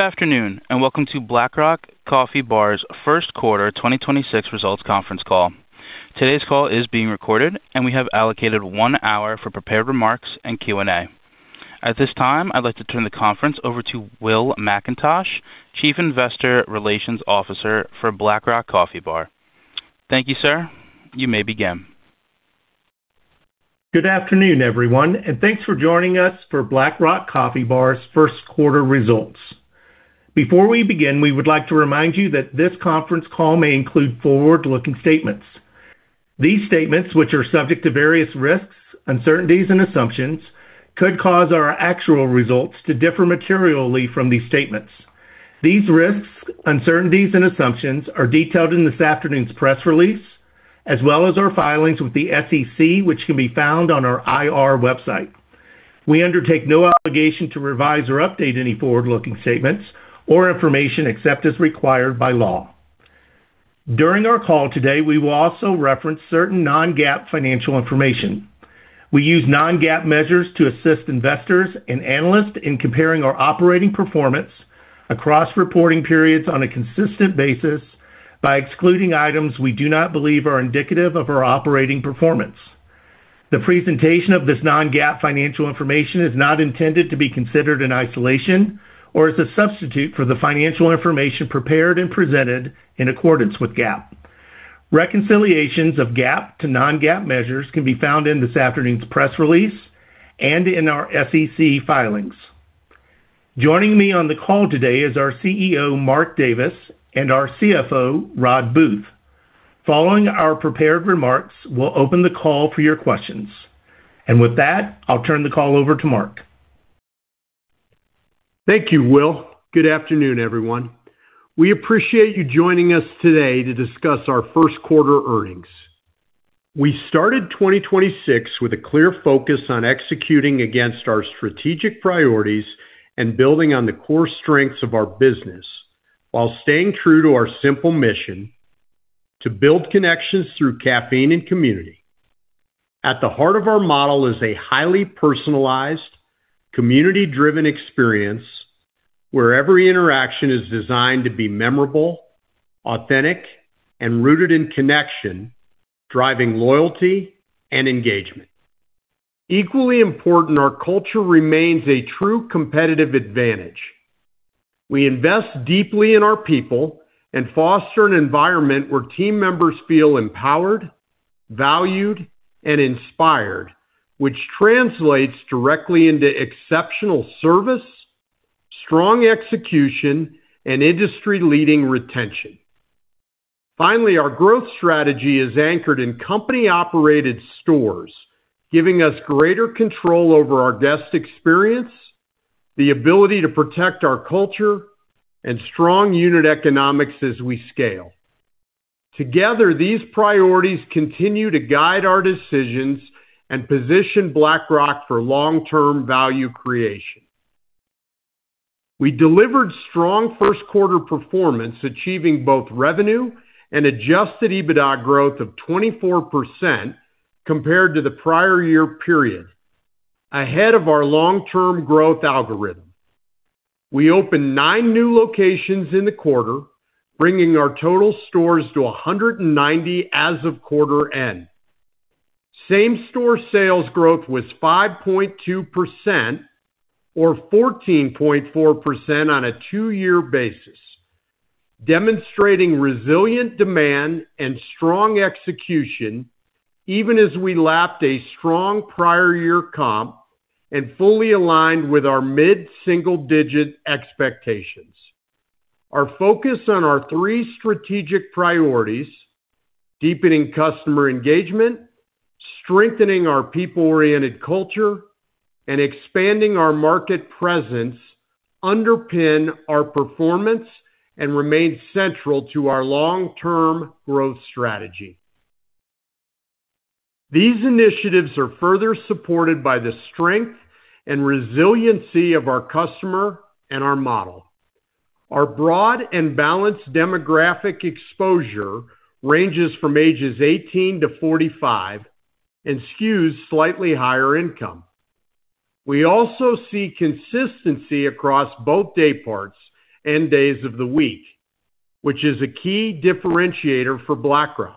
Good afternoon, welcome to Black Rock Coffee Bar's first quarter 2026 results conference call. Today's call is being recorded, and we have allocated one hour for prepared remarks and Q&A. At this time, I'd like to turn the conference over to Will MacIntosh, Chief Investor Relations Officer for Black Rock Coffee Bar. Thank you, sir. You may begin. Good afternoon, everyone, thanks for joining us for Black Rock Coffee Bar's 1st quarter results. Before we begin, we would like to remind you that this conference call may include forward-looking statements. These statements, which are subject to various risks, uncertainties and assumptions, could cause our actual results to differ materially from these statements. These risks, uncertainties and assumptions are detailed in this afternoon's press release, as well as our filings with the SEC, which can be found on our IR website. We undertake no obligation to revise or update any forward-looking statements or information except as required by law. During our call today, we will also reference certain non-GAAP financial information. We use non-GAAP measures to assist investors and analysts in comparing our operating performance across reporting periods on a consistent basis by excluding items we do not believe are indicative of our operating performance. The presentation of this non-GAAP financial information is not intended to be considered in isolation or as a substitute for the financial information prepared and presented in accordance with GAAP. Reconciliations of GAAP to non-GAAP measures can be found in this afternoon's press release and in our SEC filings. Joining me on the call today is our CEO, Mark Davis, and our CFO, Rodd Booth. Following our prepared remarks, we'll open the call for your questions. With that, I'll turn the call over to Mark. Thank you, Will. Good afternoon, everyone. We appreciate you joining us today to discuss our first quarter earnings. We started 2026 with a clear focus on executing against our strategic priorities and building on the core strengths of our business while staying true to our simple mission to build connections through caffeine and community. At the heart of our model is a highly personalized, community-driven experience where every interaction is designed to be memorable, authentic, and rooted in connection, driving loyalty and engagement. Equally important, our culture remains a true competitive advantage. We invest deeply in our people and foster an environment where team members feel empowered, valued, and inspired, which translates directly into exceptional service, strong execution, and industry-leading retention. Our growth strategy is anchored in company-operated stores, giving us greater control over our guest experience, the ability to protect our culture, and strong unit economics as we scale. Together, these priorities continue to guide our decisions and position Black Rock for long-term value creation. We delivered strong first quarter performance, achieving both revenue and adjusted EBITDA growth of 24% compared to the prior year period, ahead of our long-term growth algorithm. We opened 9 new locations in the quarter, bringing our total stores to 190 as of quarter end. Same-store sales growth was 5.2% or 14.4% on a 2-year basis, demonstrating resilient demand and strong execution even as we lapped a strong prior year comp and fully aligned with our mid-single-digit expectations. Our focus on our three strategic priorities, deepening customer engagement, strengthening our people-oriented culture, and expanding our market presence underpin our performance and remain central to our long-term growth strategy. These initiatives are further supported by the strength and resiliency of our customer and our model. Our broad and balanced demographic exposure ranges from ages 18-45 and skews slightly higher income. We also see consistency across both day parts and days of the week, which is a key differentiator for Black Rock.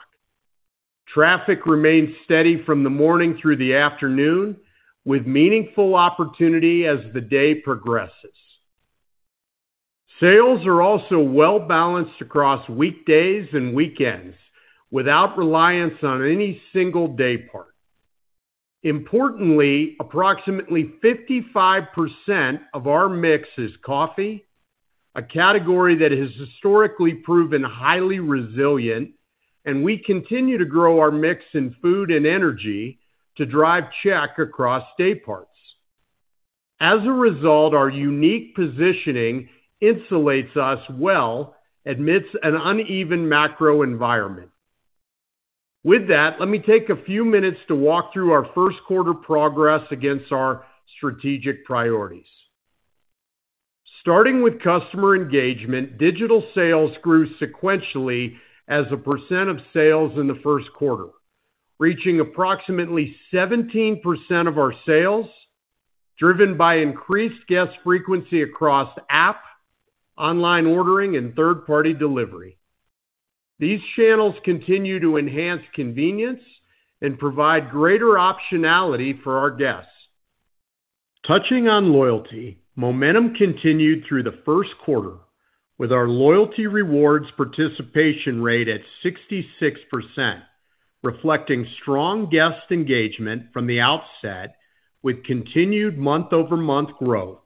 Traffic remains steady from the morning through the afternoon, with meaningful opportunity as the day progresses. Sales are also well-balanced across weekdays and weekends without reliance on any single day part. Importantly, approximately 55% of our mix is coffee, a category that has historically proven highly resilient, and we continue to grow our mix in food and energy to drive check across day parts. As a result, our unique positioning insulates us well amidst an uneven macro environment. With that, let me take a few minutes to walk through our first quarter progress against our strategic priorities. Starting with customer engagement, digital sales grew sequentially as a percent of sales in the first quarter. Reaching approximately 17% of our sales, driven by increased guest frequency across app, online ordering, and third-party delivery. These channels continue to enhance convenience and provide greater optionality for our guests. Touching on loyalty, momentum continued through the first quarter with our loyalty rewards participation rate at 66%, reflecting strong guest engagement from the outset with continued month-over-month growth,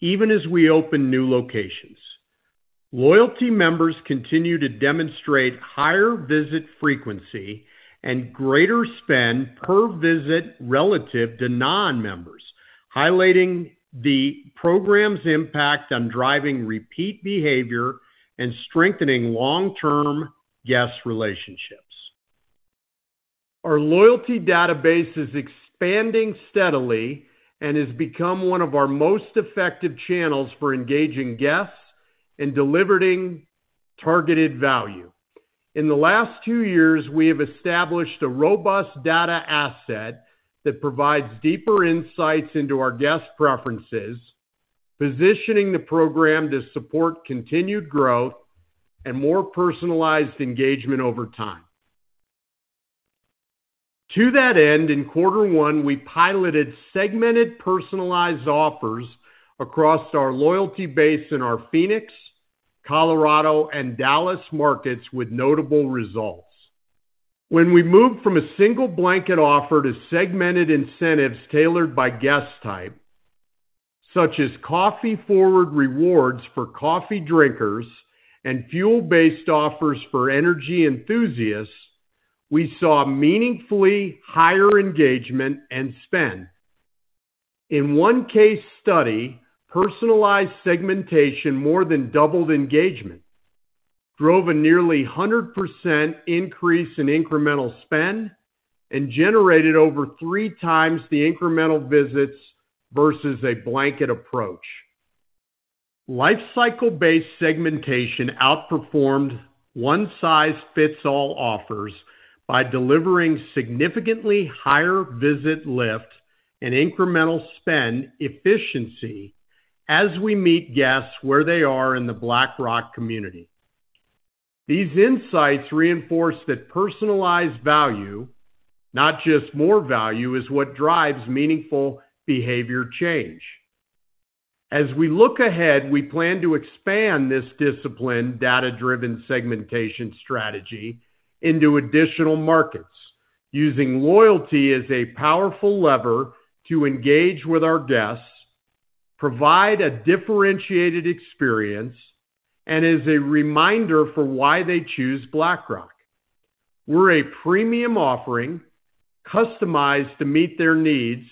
even as we open new locations. Loyalty members continue to demonstrate higher visit frequency and greater spend per visit relative to non-members, highlighting the program's impact on driving repeat behavior and strengthening long-term guest relationships. Our loyalty database is expanding steadily and has become one of our most effective channels for engaging guests and delivering targeted value. In the last two years, we have established a robust data asset that provides deeper insights into our guest preferences, positioning the program to support continued growth and more personalized engagement over time. To that end, in quarter one, we piloted segmented personalized offers across our loyalty base in our Phoenix, Colorado, and Dallas markets with notable results. When we moved from a single blanket offer to segmented incentives tailored by guest type, such as coffee-forward rewards for coffee drinkers and fuel-based offers for energy enthusiasts, we saw meaningfully higher engagement and spend. In one case study, personalized segmentation more than doubled engagement, drove a nearly 100% increase in incremental spend, and generated over three times the incremental visits versus a blanket approach. Lifecycle-based segmentation outperformed one-size-fits-all offers by delivering significantly higher visit lift and incremental spend efficiency as we meet guests where they are in the Black Rock community. These insights reinforce that personalized value, not just more value, is what drives meaningful behavior change. As we look ahead, we plan to expand this disciplined data-driven segmentation strategy into additional markets using loyalty as a powerful lever to engage with our guests, provide a differentiated experience, and as a reminder for why they choose Black Rock. We're a premium offering customized to meet their needs,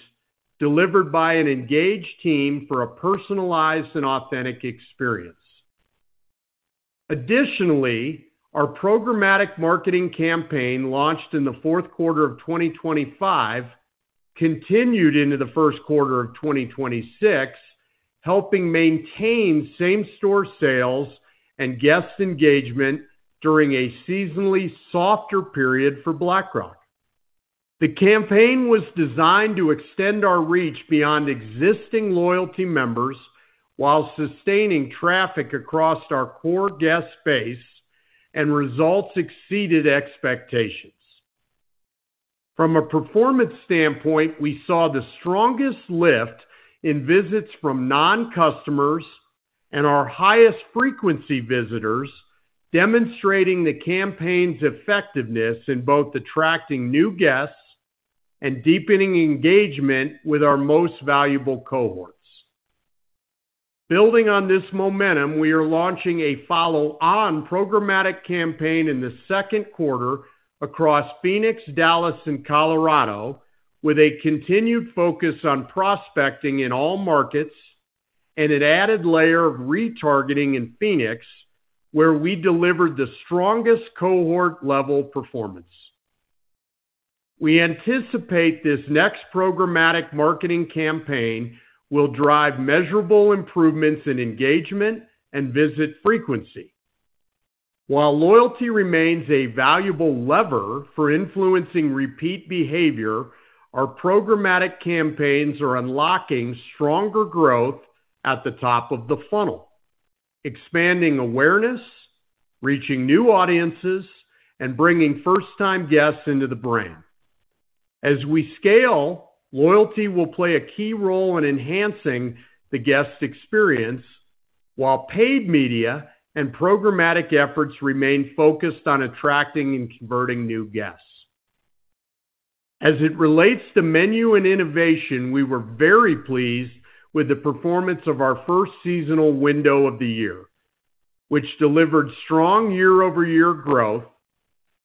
delivered by an engaged team for a personalized and authentic experience. Additionally, our programmatic marketing campaign launched in the fourth quarter of 2025 continued into the 1st quarter of 2026, helping maintain same-store sales and guest engagement during a seasonally softer period for Black Rock. The campaign was designed to extend our reach beyond existing loyalty members while sustaining traffic across our core guest base and results exceeded expectations. From a performance standpoint, we saw the strongest lift in visits from non-customers and our highest frequency visitors demonstrating the campaign's effectiveness in both attracting new guests and deepening engagement with our most valuable cohorts. Building on this momentum, we are launching a follow-on programmatic campaign in the second quarter across Phoenix, Dallas, and Colorado with a continued focus on prospecting in all markets and an added layer of retargeting in Phoenix, where we delivered the strongest cohort-level performance. We anticipate this next programmatic marketing campaign will drive measurable improvements in engagement and visit frequency. While loyalty remains a valuable lever for influencing repeat behavior, our programmatic campaigns are unlocking stronger growth at the top of the funnel, expanding awareness, reaching new audiences, and bringing first-time guests into the brand. As we scale, loyalty will play a key role in enhancing the guest experience while paid media and programmatic efforts remain focused on attracting and converting new guests. As it relates to menu and innovation, we were very pleased with the performance of our first seasonal window of the year, which delivered strong year-over-year growth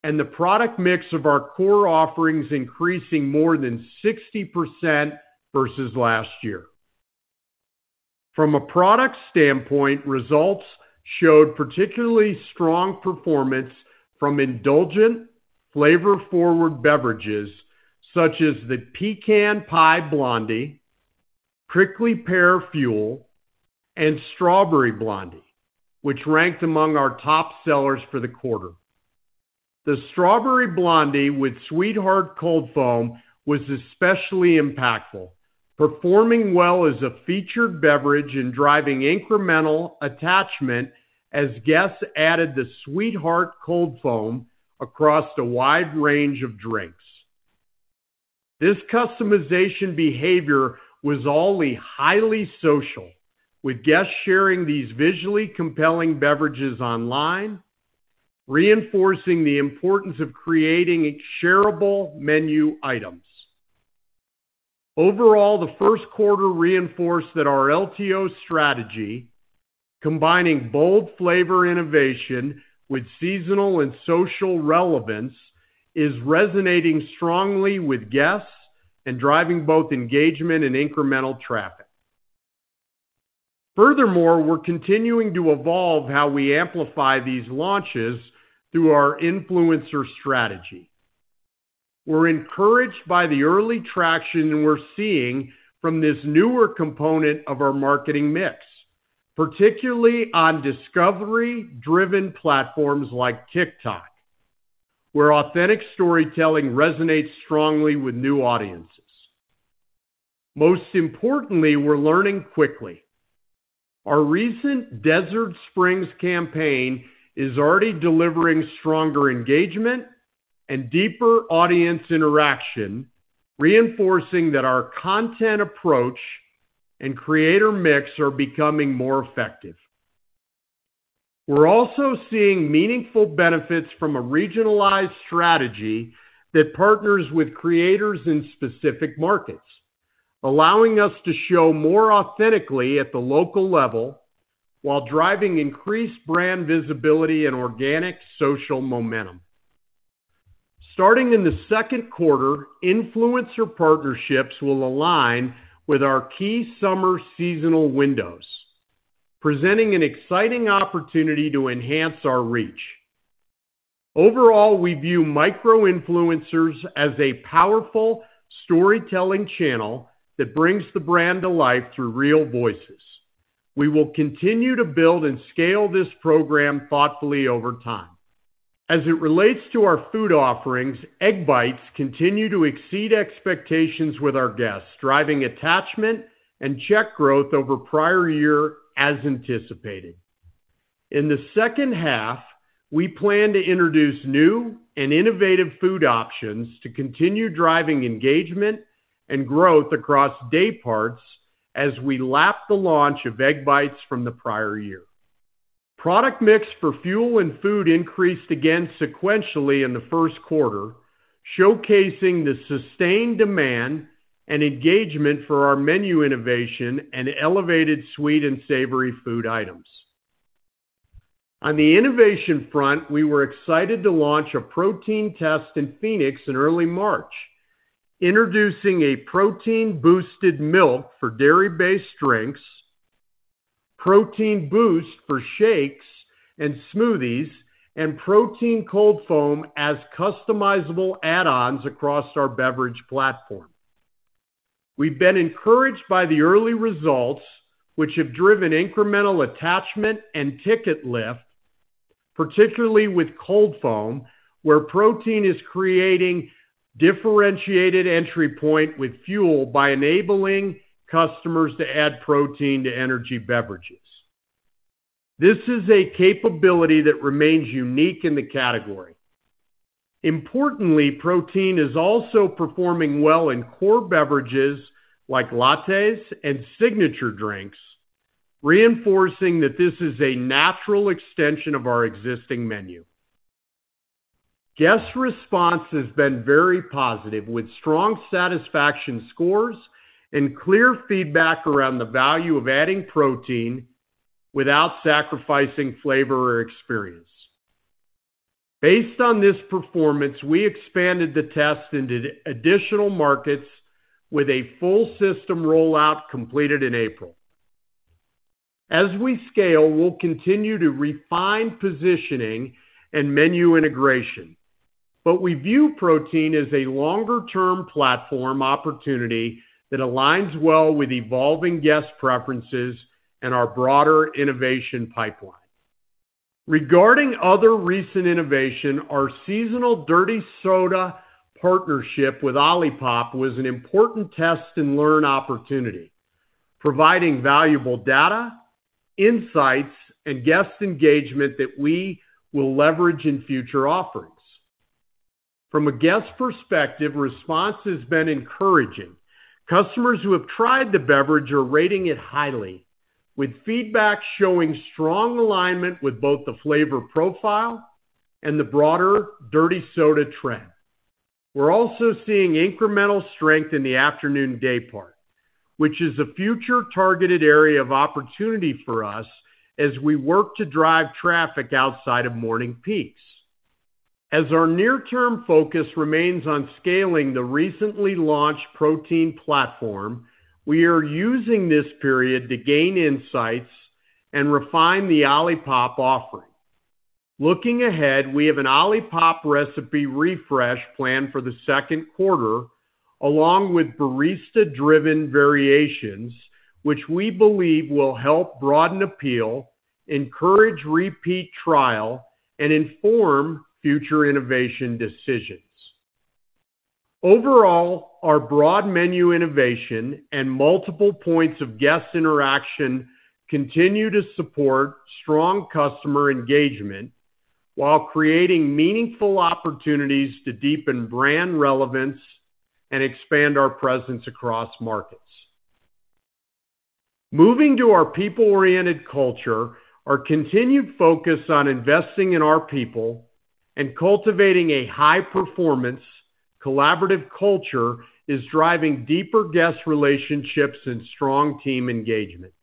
and the product mix of our core offerings increasing more than 60% versus last year. From a product standpoint, results showed particularly strong performance from indulgent flavor-forward beverages such as the Pecan Pie Blondie, Prickly Pear Fuel, and Strawberry Blondie, which ranked among our top sellers for the quarter. The Strawberry Blondie with Sweetheart Cold Foam was especially impactful, performing well as a featured beverage and driving incremental attachment as guests added the Sweetheart Cold Foam across a wide range of drinks. This customization behavior was all highly social, with guests sharing these visually compelling beverages online, reinforcing the importance of creating shareable menu items. Overall, the first quarter reinforced that our LTO strategy, combining bold flavor innovation with seasonal and social relevance, is resonating strongly with guests and driving both engagement and incremental traffic. Furthermore, we're continuing to evolve how we amplify these launches through our influencer strategy. We're encouraged by the early traction we're seeing from this newer component of our marketing mix, particularly on discovery-driven platforms like TikTok, where authentic storytelling resonates strongly with new audiences. Most importantly, we're learning quickly. Our recent Desert Springs campaign is already delivering stronger engagement and deeper audience interaction, reinforcing that our content approach and creator mix are becoming more effective. We're also seeing meaningful benefits from a regionalized strategy that partners with creators in specific markets, allowing us to show more authentically at the local level while driving increased brand visibility and organic social momentum. Starting in the second quarter, influencer partnerships will align with our key summer seasonal windows, presenting an exciting opportunity to enhance our reach. Overall, we view micro-influencers as a powerful storytelling channel that brings the brand to life through real voices. We will continue to build and scale this program thoughtfully over time. As it relates to our food offerings, Egg Bites continue to exceed expectations with our guests, driving attachment and check growth over prior year as anticipated. In the second half, we plan to introduce new and innovative food options to continue driving engagement and growth across day parts as we lap the launch of Egg Bites from the prior year. Product mix for fuel and food increased again sequentially in the first quarter, showcasing the sustained demand and engagement for our menu innovation and elevated sweet and savory food items. On the innovation front, we were excited to launch a protein test in Phoenix in early March, introducing a protein-boosted milk for dairy-based drinks, protein boost for shakes and smoothies, and protein cold foam as customizable add-ons across our beverage platform. We've been encouraged by the early results, which have driven incremental attachment and ticket lift, particularly with cold foam, where protein is creating differentiated entry point with fuel by enabling customers to add protein to energy beverages. This is a capability that remains unique in the category. Importantly, protein is also performing well in core beverages like lattes and signature drinks, reinforcing that this is a natural extension of our existing menu. Guest response has been very positive, with strong satisfaction scores and clear feedback around the value of adding protein without sacrificing flavor or experience. Based on this performance, we expanded the test into additional markets with a full system rollout completed in April. As we scale, we'll continue to refine positioning and menu integration, but we view protein as a longer-term platform opportunity that aligns well with evolving guest preferences and our broader innovation pipeline. Regarding other recent innovation, our seasonal Dirty Soda partnership with Olipop was an important test and learn opportunity, providing valuable data, insights, and guest engagement that we will leverage in future offerings. From a guest perspective, response has been encouraging. Customers who have tried the beverage are rating it highly, with feedback showing strong alignment with both the flavor profile and the broader Dirty Soda trend. We're also seeing incremental strength in the afternoon day part, which is a future targeted area of opportunity for us as we work to drive traffic outside of morning peaks. As our near-term focus remains on scaling the recently launched protein platform, we are using this period to gain insights and refine the Olipop offering. Looking ahead, we have an Olipop recipe refresh planned for the second quarter, along with barista-driven variations, which we believe will help broaden appeal, encourage repeat trial, and inform future innovation decisions. Overall, our broad menu innovation and multiple points of guest interaction continue to support strong customer engagement while creating meaningful opportunities to deepen brand relevance and expand our presence across markets. Moving to our people-oriented culture, our continued focus on investing in our people and cultivating a high-performance collaborative culture is driving deeper guest relationships and strong team engagement.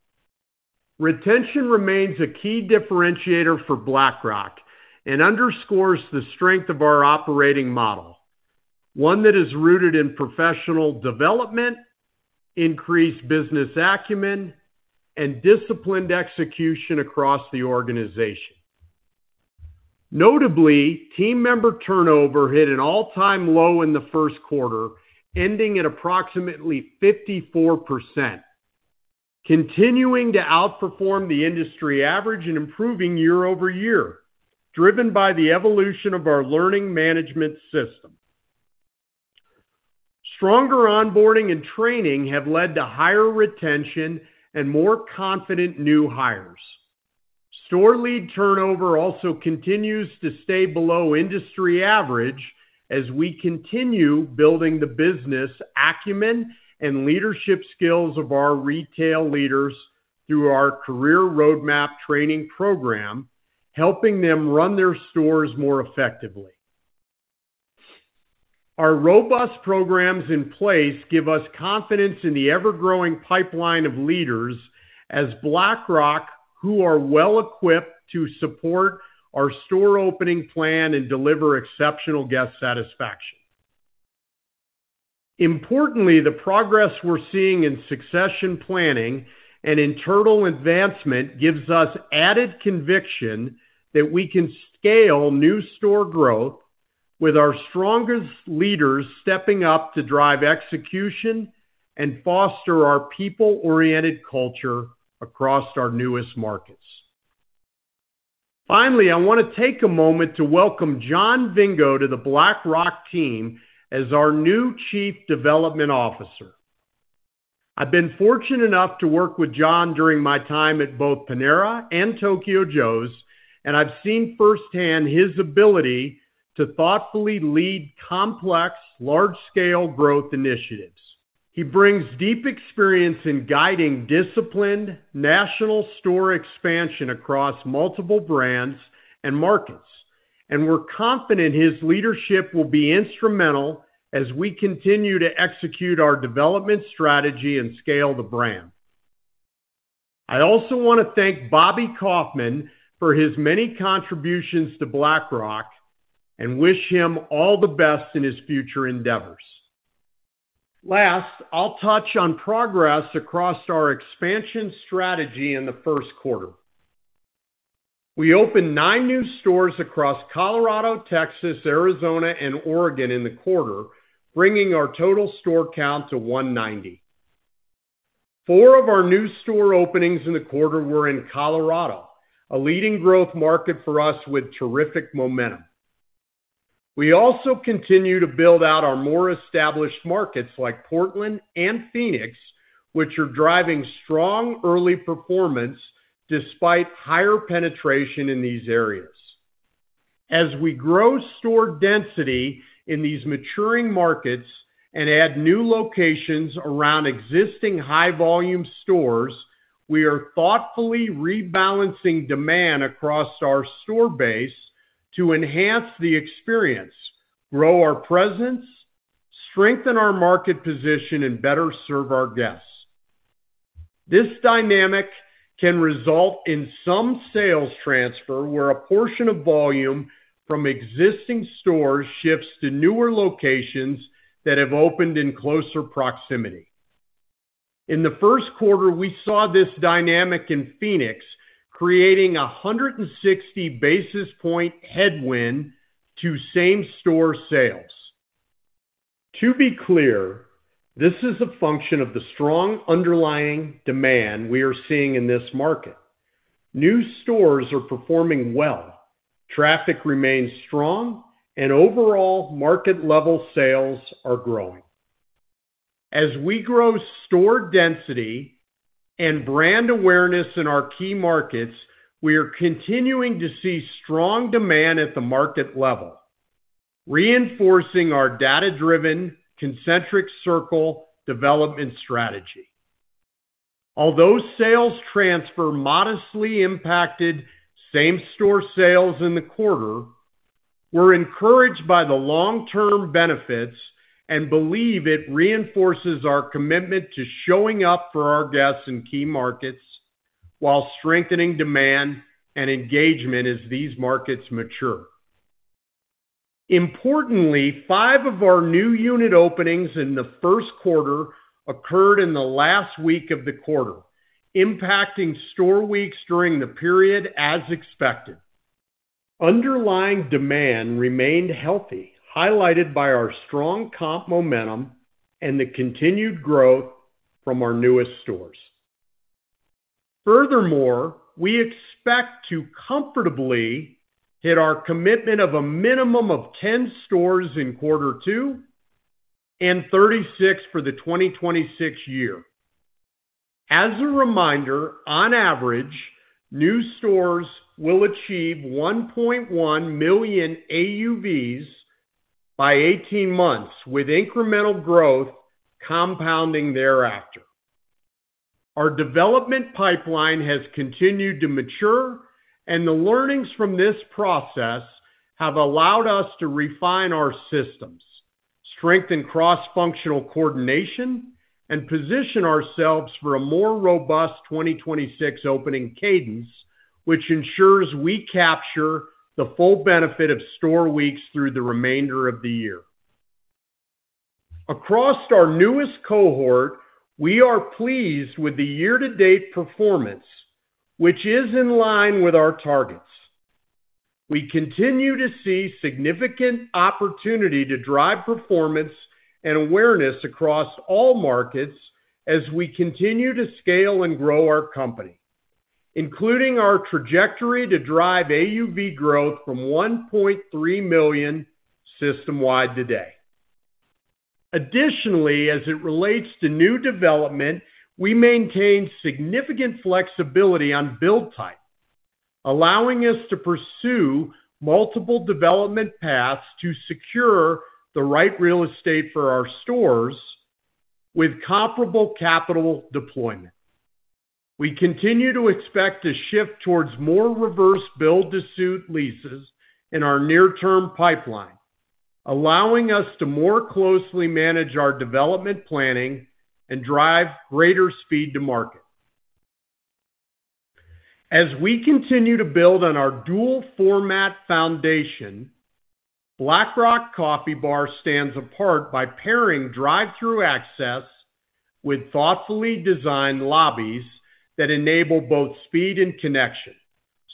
Retention remains a key differentiator for Black Rock and underscores the strength of our operating model. One that is rooted in professional development, increased business acumen, and disciplined execution across the organization. Notably, team member turnover hit an all-time low in the first quarter, ending at approximately 54%, continuing to outperform the industry average and improving year-over-year, driven by the evolution of our learning management system. Stronger onboarding and training have led to higher retention and more confident new hires. Store lead turnover also continues to stay below industry average as we continue building the business acumen and leadership skills of our retail leaders through our career roadmap training program, helping them run their stores more effectively. Our robust programs in place give us confidence in the ever-growing pipeline of leaders as Black Rock who are well-equipped to support our store opening plan and deliver exceptional guest satisfaction. Importantly, the progress we're seeing in succession planning and internal advancement gives us added conviction that we can scale new store growth with our strongest leaders stepping up to drive execution and foster our people-oriented culture across our newest markets. Finally, I wanna take a moment to welcome Jon Vingo to the Black Rock team as our new chief development officer. I've been fortunate enough to work with Jon during my time at both Panera and Tokyo Joe's, and I've seen firsthand his ability to thoughtfully lead complex, large-scale growth initiatives. He brings deep experience in guiding disciplined national store expansion across multiple brands and markets, and we're confident his leadership will be instrumental as we continue to execute our development strategy and scale the brand. I also wanna thank Robert Kaufmann for his many contributions to Black Rock and wish him all the best in his future endeavors. Last, I'll touch on progress across our expansion strategy in the first quarter. We opened nine new stores across Colorado, Texas, Arizona, and Oregon in the quarter, bringing our total store count to 190. Four of our new store openings in the quarter were in Colorado, a leading growth market for us with terrific momentum. We also continue to build out our more established markets like Portland and Phoenix, which are driving strong early performance despite higher penetration in these areas. As we grow store density in these maturing markets and add new locations around existing high-volume stores, we are thoughtfully rebalancing demand across our store base to enhance the experience, grow our presence, strengthen our market position, and better serve our guests. This dynamic can result in some sales transfer, where a portion of volume from existing stores shifts to newer locations that have opened in closer proximity. In the first quarter, we saw this dynamic in Phoenix, creating a 160 basis point headwind to same-store sales. To be clear, this is a function of the strong underlying demand we are seeing in this market. New stores are performing well, traffic remains strong, and overall market level sales are growing. As we grow store density and brand awareness in our key markets, we are continuing to see strong demand at the market level, reinforcing our data-driven concentric circle development strategy. Although sales transfer modestly impacted same-store sales in the quarter, we're encouraged by the long-term benefits and believe it reinforces our commitment to showing up for our guests in key markets while strengthening demand and engagement as these markets mature. Importantly, 5 of our new unit openings in the first quarter occurred in the last week of the quarter, impacting store weeks during the period as expected. Underlying demand remained healthy, highlighted by our strong comp momentum and the continued growth from our newest stores. We expect to comfortably hit our commitment of a minimum of 10 stores in Q2 and 36 for the 2026 year. As a reminder, on average, new stores will achieve $1.1 million AUVs by 18 months, with incremental growth compounding thereafter. Our development pipeline has continued to mature, and the learnings from this process have allowed us to refine our systems, strengthen cross-functional coordination, and position ourselves for a more robust 2026 opening cadence, which ensures we capture the full benefit of store weeks through the remainder of the year. Across our newest cohort, we are pleased with the year-to-date performance, which is in line with our targets. We continue to see significant opportunity to drive performance and awareness across all markets as we continue to scale and grow our company, including our trajectory to drive AUV growth from $1.3 million system-wide today. Additionally, as it relates to new development, we maintain significant flexibility on build type, allowing us to pursue multiple development paths to secure the right real estate for our stores with comparable capital deployment. We continue to expect a shift towards more reverse build-to-suit leases in our near-term pipeline, allowing us to more closely manage our development planning and drive greater speed to market. As we continue to build on our dual format foundation, Black Rock Coffee Bar stands apart by pairing drive-thru access with thoughtfully designed lobbies that enable both speed and connection,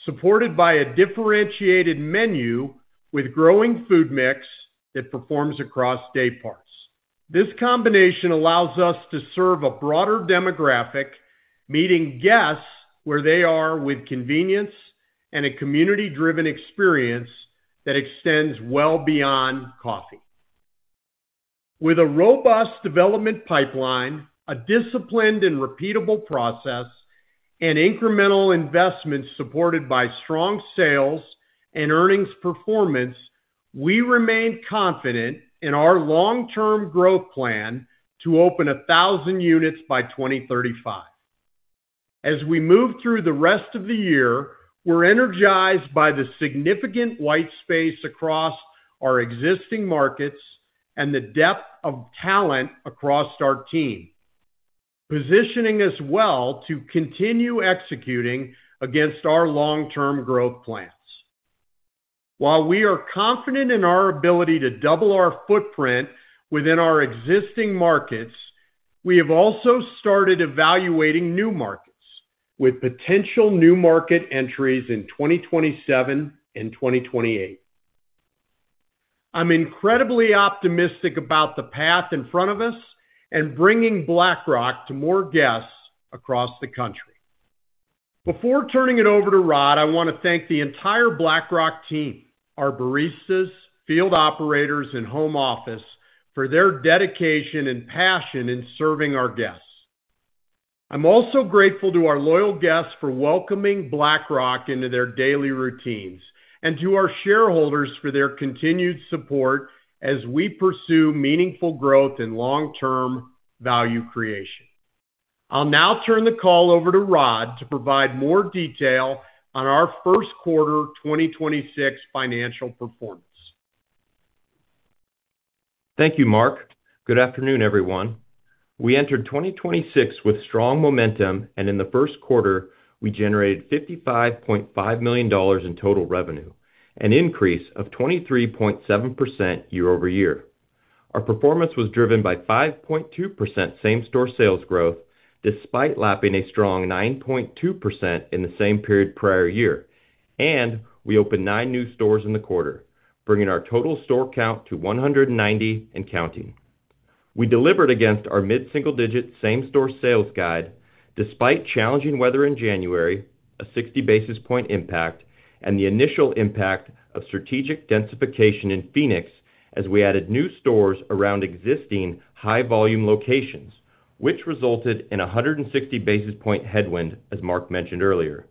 supported by a differentiated menu with growing food mix that performs across day parts. This combination allows us to serve a broader demographic, meeting guests where they are with convenience and a community-driven experience that extends well beyond coffee. With a robust development pipeline, a disciplined and repeatable process, and incremental investments supported by strong sales and earnings performance, we remain confident in our long-term growth plan to open 1,000 units by 2035. As we move through the rest of the year, we're energized by the significant white space across our existing markets and the depth of talent across our team, positioning us well to continue executing against our long-term growth plans. While we are confident in our ability to double our footprint within our existing markets, we have also started evaluating new markets with potential new market entries in 2027 and 2028. I'm incredibly optimistic about the path in front of us and bringing Black Rock to more guests across the country. Before turning it over to Rodd, I want to thank the entire Black Rock team, our baristas, field operators and home office for their dedication and passion in serving our guests. I'm also grateful to our loyal guests for welcoming Black Rock into their daily routines and to our shareholders for their continued support as we pursue meaningful growth and long-term value creation. I'll now turn the call over to Rodd to provide more detail on our first quarter 2026 financial performance. Thank you, Mark. Good afternoon, everyone. We entered 2026 with strong momentum, and in the first quarter, we generated $55.5 million in total revenue, an increase of 23.7% year-over-year. Our performance was driven by 5.2% same-store sales growth despite lapping a strong 9.2% in the same period prior year. We opened 9 new stores in the quarter, bringing our total store count to 190 and counting. We delivered against our mid-single-digit same-store sales guide despite challenging weather in January, a 60 basis point impact, and the initial impact of strategic densification in Phoenix as we added new stores around existing high-volume locations, which resulted in a 160 basis point headwind, as Mark mentioned earlier.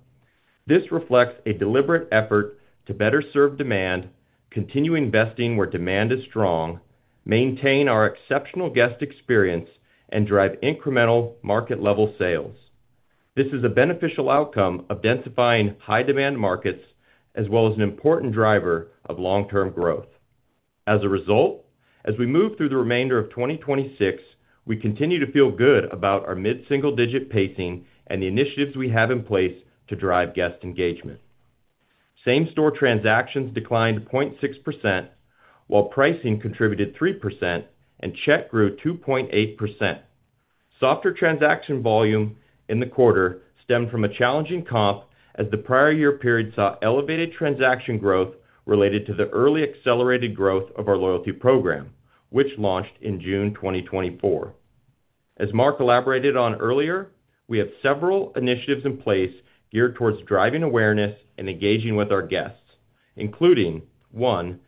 This reflects a deliberate effort to better serve demand, continue investing where demand is strong, maintain our exceptional guest experience, and drive incremental market level sales. This is a beneficial outcome of densifying high-demand markets as well as an important driver of long-term growth. As we move through the remainder of 2026, we continue to feel good about our mid-single digit pacing and the initiatives we have in place to drive guest engagement. Same-store transactions declined 0.6%, while pricing contributed 3% and check grew 2.8%. Softer transaction volume in the quarter stemmed from a challenging comp as the prior year period saw elevated transaction growth related to the early accelerated growth of our loyalty program, which launched in June 2024. As Mark elaborated on earlier, we have several initiatives in place geared towards driving awareness and engaging with our guests, including, one,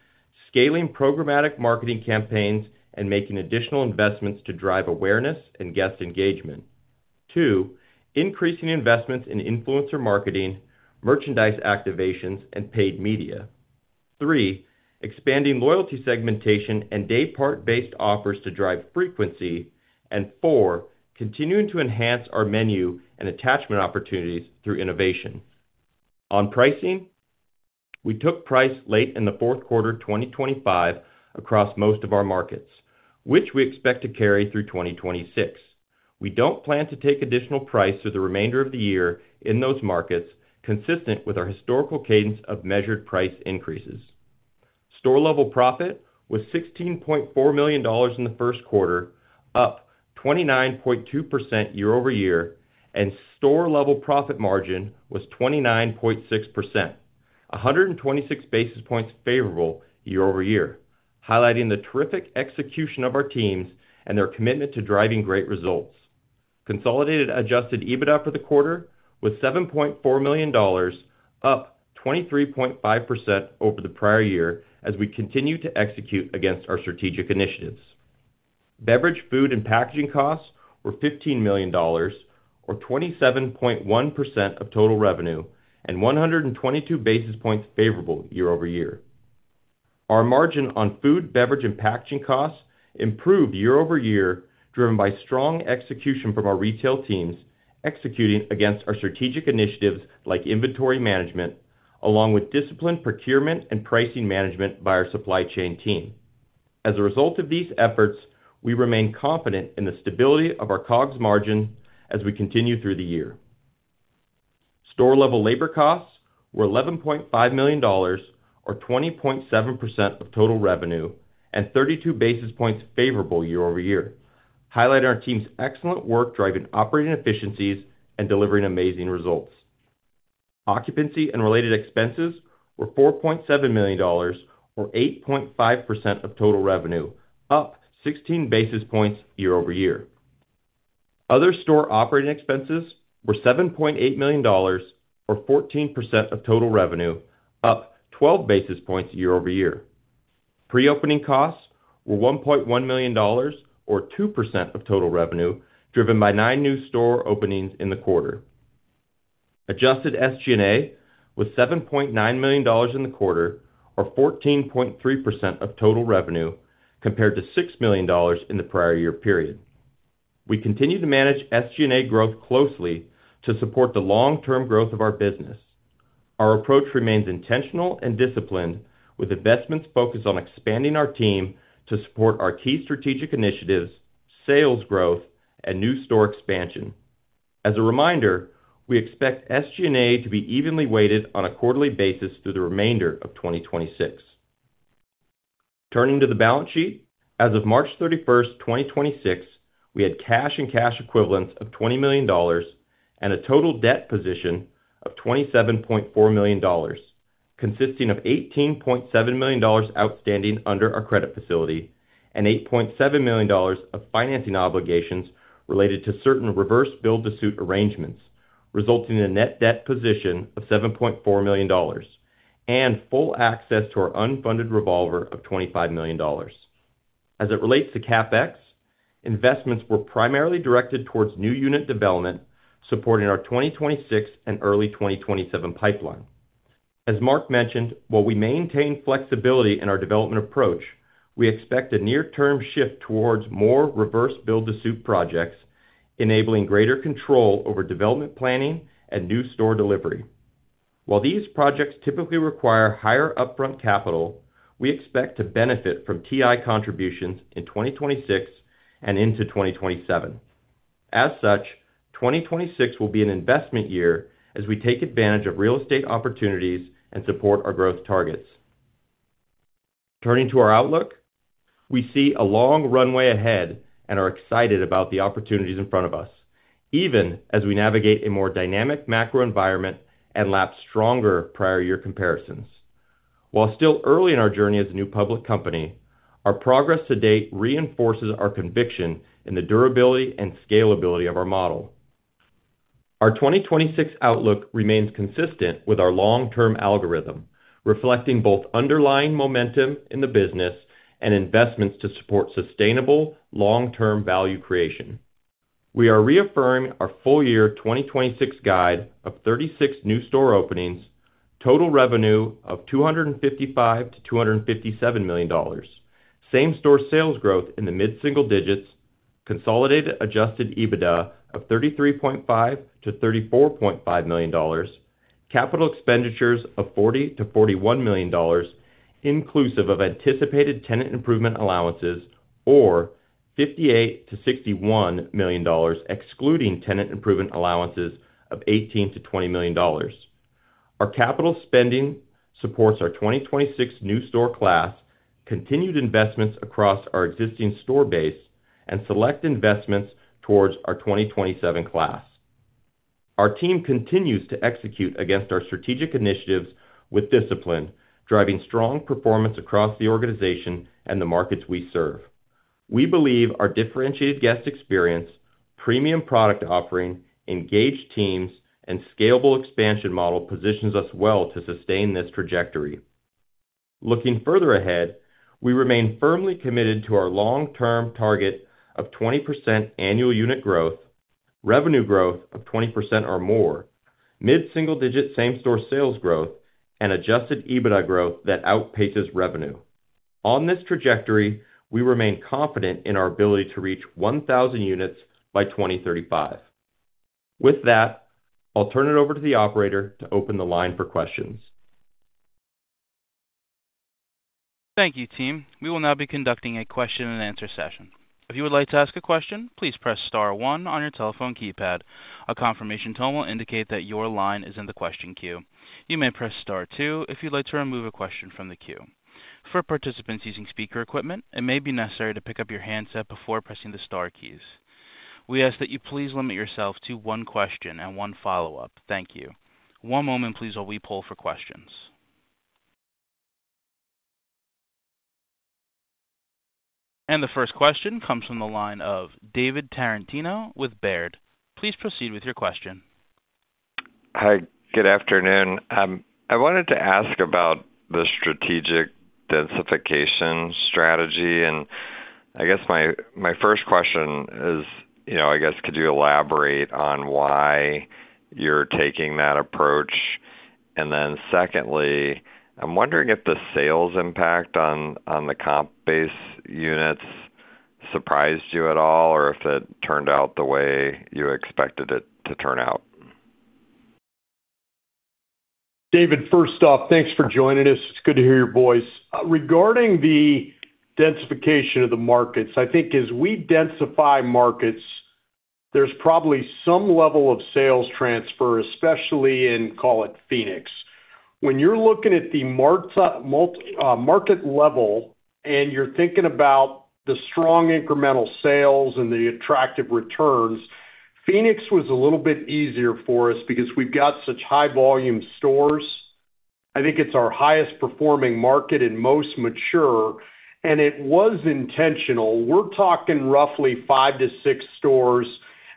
scaling programmatic marketing campaigns and making additional investments to drive awareness and guest engagement. two, increasing investments in influencer marketing, merchandise activations, and paid media. three, expanding loyalty segmentation and day part-based offers to drive frequency. four, continuing to enhance our menu and attachment opportunities through innovation. On pricing, we took price late in the fourth quarter 2025 across most of our markets, which we expect to carry through 2026. We don't plan to take additional price through the remainder of the year in those markets, consistent with our historical cadence of measured price increases. Store level profit was $16.4 million in the first quarter, up 29.2% year-over-year, and store level profit margin was 29.6%, 126 basis points favorable year-over-year, highlighting the terrific execution of our teams and their commitment to driving great results. Consolidated adjusted EBITDA for the quarter was $7.4 million, up 23.5% over the prior year as we continue to execute against our strategic initiatives. Beverage, food, and packaging costs were $15 million, or 27.1% of total revenue and 122 basis points favorable year-over-year. Our margin on food, beverage, and packaging costs improved year-over-year, driven by strong execution from our retail teams, executing against our strategic initiatives like inventory management, along with disciplined procurement and pricing management by our supply chain team. As a result of these efforts, we remain confident in the stability of our COGS margin as we continue through the year. Store level labor costs were $11.5 million or 20.7% of total revenue and 32 basis points favorable year-over-year, highlighting our team's excellent work driving operating efficiencies and delivering amazing results. Occupancy and related expenses were $4.7 million or 8.5% of total revenue, up 16 basis points year-over-year. Other store operating expenses were $7.8 million or 14% of total revenue, up 12 basis points year-over-year. Pre-opening costs were $1.1 million or 2% of total revenue, driven by nine new store openings in the quarter. Adjusted SG&A was $7.9 million in the quarter or 14.3% of total revenue compared to $6 million in the prior year period. We continue to manage SG&A growth closely to support the long-term growth of our business. Our approach remains intentional and disciplined, with investments focused on expanding our team to support our key strategic initiatives, sales growth, and new store expansion. As a reminder, we expect SG&A to be evenly weighted on a quarterly basis through the remainder of 2026. Turning to the balance sheet, as of 31st March 2026, we had cash and cash equivalents of $20 million and a total debt position of $27.4 million, consisting of $18.7 million outstanding under our credit facility and $8.7 million of financing obligations related to certain reverse build-to-suit arrangements, resulting in a net debt position of $7.4 million and full access to our unfunded revolver of $25 million. As it relates to CapEx, investments were primarily directed towards new unit development, supporting our 2026 and early 2027 pipeline. As Mark mentioned, while we maintain flexibility in our development approach, we expect a near-term shift towards more reverse build-to-suit projects, enabling greater control over development planning and new store delivery. While these projects typically require higher upfront capital, we expect to benefit from TI contributions in 2026 and into 2027. As such, 2026 will be an investment year as we take advantage of real estate opportunities and support our growth targets. Turning to our outlook, we see a long runway ahead and are excited about the opportunities in front of us, even as we navigate a more dynamic macro environment and lap stronger prior year comparisons. While still early in our journey as a new public company, our progress to date reinforces our conviction in the durability and scalability of our model. Our 2026 outlook remains consistent with our long-term algorithm, reflecting both underlying momentum in the business and investments to support sustainable long-term value creation. We are reaffirming our full year 2026 guide of 36 new store openings, total revenue of $255 million-$257 million, same-store sales growth in the mid-single digits, consolidated adjusted EBITDA of $33.5 million-$34.5 million. Capital expenditures of $40 million-$41 million, inclusive of anticipated tenant improvement allowances, or $58 million-$61 million, excluding tenant improvement allowances of $18 million-$20 million. Our capital spending supports our 2026 new store class, continued investments across our existing store base, and select investments towards our 2027 class. Our team continues to execute against our strategic initiatives with discipline, driving strong performance across the organization and the markets we serve. We believe our differentiated guest experience, premium product offering, engaged teams, and scalable expansion model positions us well to sustain this trajectory. Looking further ahead, we remain firmly committed to our long-term target of 20% annual unit growth, revenue growth of 20% or more, mid-single digit same-store sales growth, and adjusted EBITDA growth that outpaces revenue. On this trajectory, we remain confident in our ability to reach 1,000 units by 2035. With that, I'll turn it over to the operator to open the line for questions. Thank you, team. We will now be conducting a question-and-answer session. If you would like to ask a question, please Press Star one on your telephone keypad. A confirmation tone will indicate that your line is in the question queue. You may press star two if you'd like to remove a question from the queue. For participants using speaker equipment, it may be necessary to pick up your handset before pressing the star keys. We ask that you please limit yourself to one question and one follow-up. Thank you. One moment, please, while we poll for questions. The first question comes from the line of David Tarantino with Baird. Please proceed with your question. Hi, good afternoon. I wanted to ask about the strategic densification strategy. Could you elaborate on why you're taking that approach? Secondly, I'm wondering if the sales impact on the comp-based units surprised you at all, or if it turned out the way you expected it to turn out. David, first off, thanks for joining us. It's good to hear your voice. Regarding the densification of the markets, I think as we densify markets, there's probably some level of sales transfer, especially in, call it, Phoenix. When you're looking at the market level and you're thinking about the strong incremental sales and the attractive returns, Phoenix was a little bit easier for us because we've got such high volume stores. I think it's our highest performing market and most mature, and it was intentional. We're talking roughly five to six stores,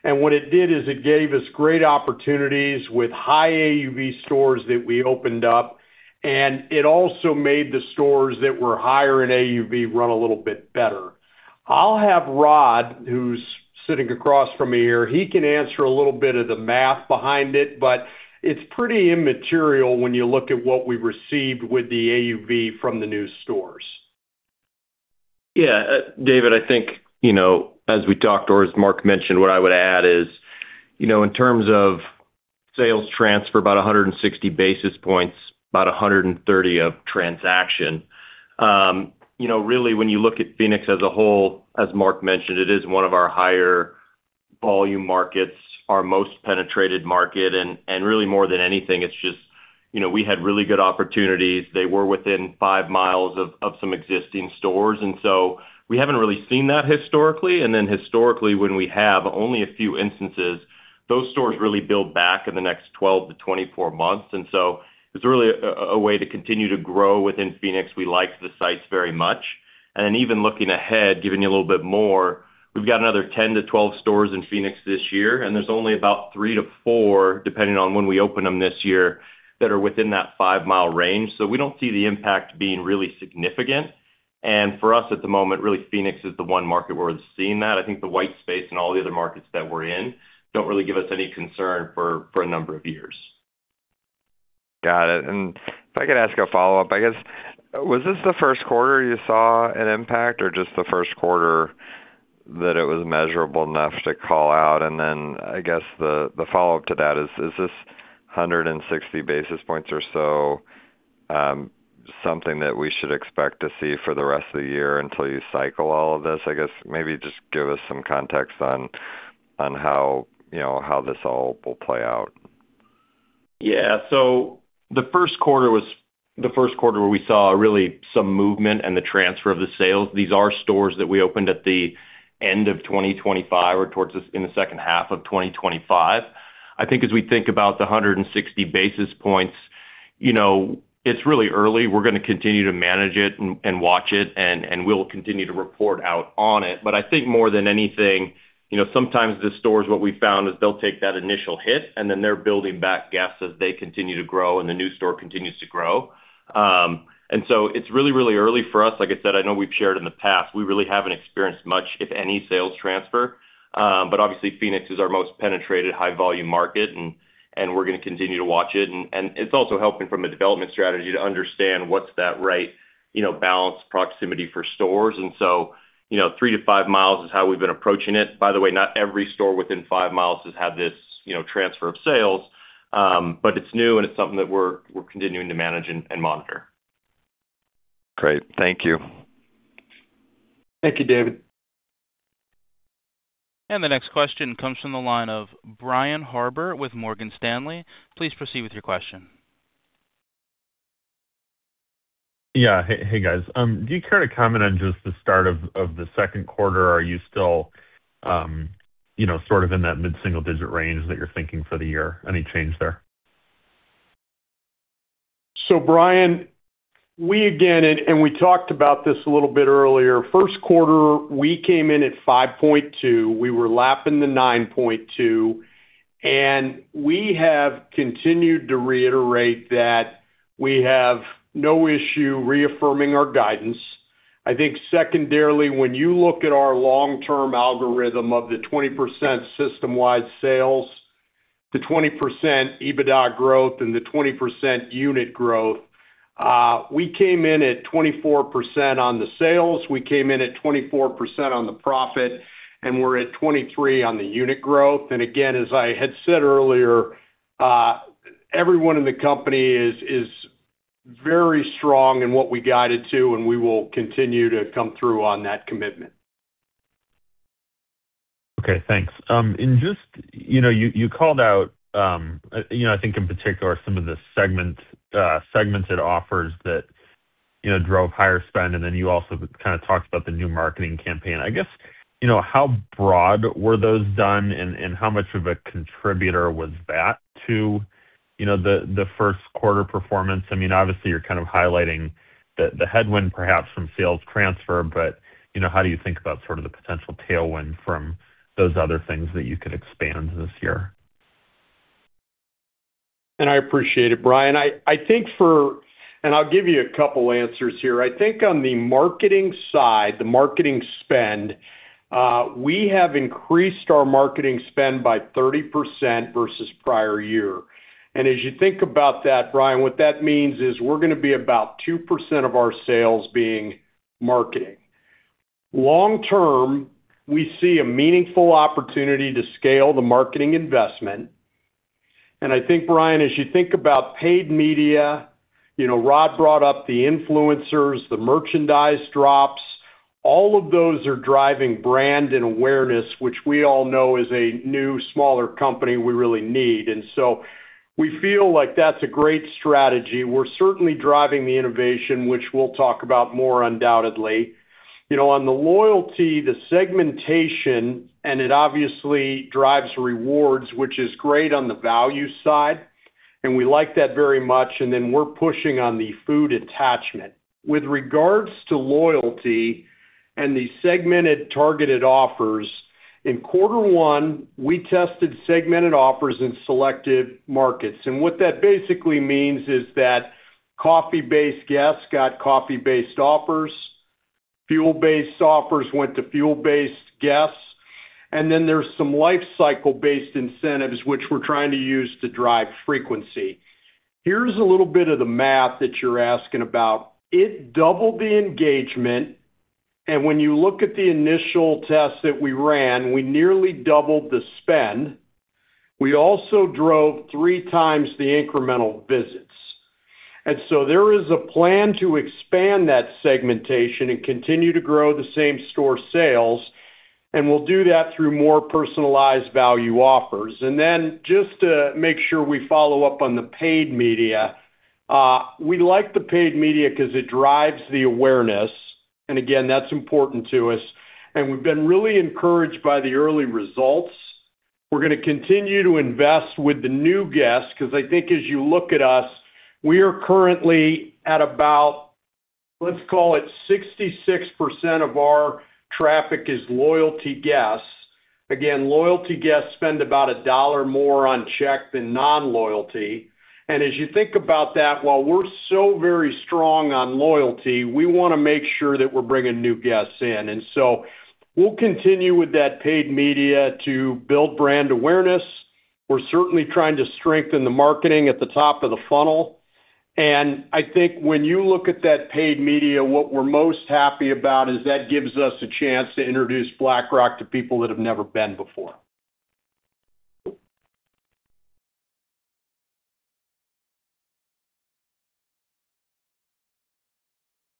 and what it did is it gave us great opportunities with high AUV stores that we opened up, and it also made the stores that were higher in AUV run a little bit better. I'll have Rod, who's sitting across from me here, he can answer a little bit of the math behind it, but it's pretty immaterial when you look at what we received with the AUV from the new stores. Yeah, David, I think, you know, as we talked or as Mark mentioned, what I would add is, you know, in terms of sales transfer, about 160 basis points, about 130 of transaction. You know, really when you look at Phoenix as a whole, as Mark mentioned, it is one of our higher volume markets, our most penetrated market, and really more than anything, it's just, you know, we had really good opportunities. They were within five miles of some existing stores. We haven't really seen that historically. Historically, when we have only a few instances, those stores really build back in the next 12-24 months. It's really a way to continue to grow within Phoenix. We like the sites very much. Even looking ahead, giving you a little bit more, we've got another 10-12 stores in Phoenix this year, and there's only about 3-4, depending on when we open them this year, that are within that five mile range. We don't see the impact being really significant. For us at the moment, really, Phoenix is the one market where we're seeing that. I think the white space in all the other markets that we're in don't really give us any concern for a number of years. Got it. If I could ask a follow-up, I guess, was this the first quarter you saw an impact or just the first quarter that it was measurable enough to call out? Then I guess the follow-up to that is this 160 basis points or so, something that we should expect to see for the rest of the year until you cycle all of this? I guess maybe just give us some context on how, you know, how this all will play out. The first quarter was the first quarter where we saw really some movement and the transfer of the sales. These are stores that we opened at the end of 2025 or in the second half of 2025. I think as we think about the 160 basis points, you know, it's really early. We're going to continue to manage it and watch it and we'll continue to report out on it. I think more than anything, you know, sometimes the stores, what we found is they'll take that initial hit and then they're building back guests as they continue to grow and the new store continues to grow. It's really, really early for us. Like I said, I know we've shared in the past, we really haven't experienced much, if any, sales transfer. Obviously, Phoenix is our most penetrated high volume market and we're gonna continue to watch it. It's also helping from a development strategy to understand what's that right, you know, balance proximity for stores. You know, 3-5 miles is how we've been approaching it. By the way, not every store within five miles has had this, you know, transfer of sales, but it's new and it's something that we're continuing to manage and monitor. Great. Thank you. Thank you, David. The next question comes from the line of Brian Harbour with Morgan Stanley. Please proceed with your question. Yeah. Hey, hey, guys. Do you care to comment on just the start of the second quarter? Are you still, you know, sort of in that mid-single digit range that you're thinking for the year? Any change there? Brian, we again, and we talked about this a little bit earlier. First quarter, we came in at 5.2, we were lapping the 9.2, and we have continued to reiterate that we have no issue reaffirming our guidance. I think secondarily, when you look at our long-term algorithm of the 20% system-wide sales, the 20% EBITDA growth and the 20% unit growth, we came in at 24% on the sales. We came in at 24% on the profit, and we're at 23 on the unit growth. Again, as I had said earlier, everyone in the company is very strong in what we guided to, and we will continue to come through on that commitment. Okay, thanks. Just, you know, you called out, you know, I think in particular some of the segmented offers that, you know, drove higher spend, then you also kind of talked about the new marketing campaign. I guess, you know, how broad were those done and how much of a contributor was that to, you know, the first quarter performance? I mean, obviously, you're kind of highlighting the headwind perhaps from sales transfer, but, you know, how do you think about sort of the potential tailwind from those other things that you could expand this year? I appreciate it, Brian. I think for I'll give you a couple answers here. I think on the marketing side, the marketing spend, we have increased our marketing spend by 30% versus prior year. As you think about that, Brian, what that means is we're gonna be about 2% of our sales being marketing. Long term, we see a meaningful opportunity to scale the marketing investment. I think, Brian, as you think about paid media, you know, Rodd Booth brought up the influencers, the merchandise drops, all of those are driving brand and awareness, which we all know as a new smaller company we really need. We feel like that's a great strategy. We're certainly driving the innovation, which we'll talk about more undoubtedly. You know, on the loyalty, the segmentation, it obviously drives rewards, which is great on the value side, we like that very much. Then we're pushing on the food attachment. With regards to loyalty and the segmented targeted offers, in quarter one, we tested segmented offers in selected markets. What that basically means is that coffee-based guests got coffee-based offers, fuel-based offers went to fuel-based guests, then there's some life cycle-based incentives which we're trying to use to drive frequency. Here's a little bit of the math that you're asking about. It doubled the engagement, when you look at the initial test that we ran, we nearly doubled the spend. We also drove three times the incremental visits. There is a plan to expand that segmentation and continue to grow the same-store sales, and we'll do that through more personalized value offers. Just to make sure we follow up on the paid media, we like the paid media 'cause it drives the awareness. That's important to us. We've been really encouraged by the early results. We're gonna continue to invest with the new guests, 'cause I think as you look at us, we are currently at about, let's call it 66% of our traffic is loyalty guests. Loyalty guests spend about $1 more on check than non-loyalty. As you think about that, while we're so very strong on loyalty, we wanna make sure that we're bringing new guests in. We'll continue with that paid media to build brand awareness. We're certainly trying to strengthen the marketing at the top of the funnel. I think when you look at that paid media, what we're most happy about is that gives us a chance to introduce Black Rock to people that have never been before.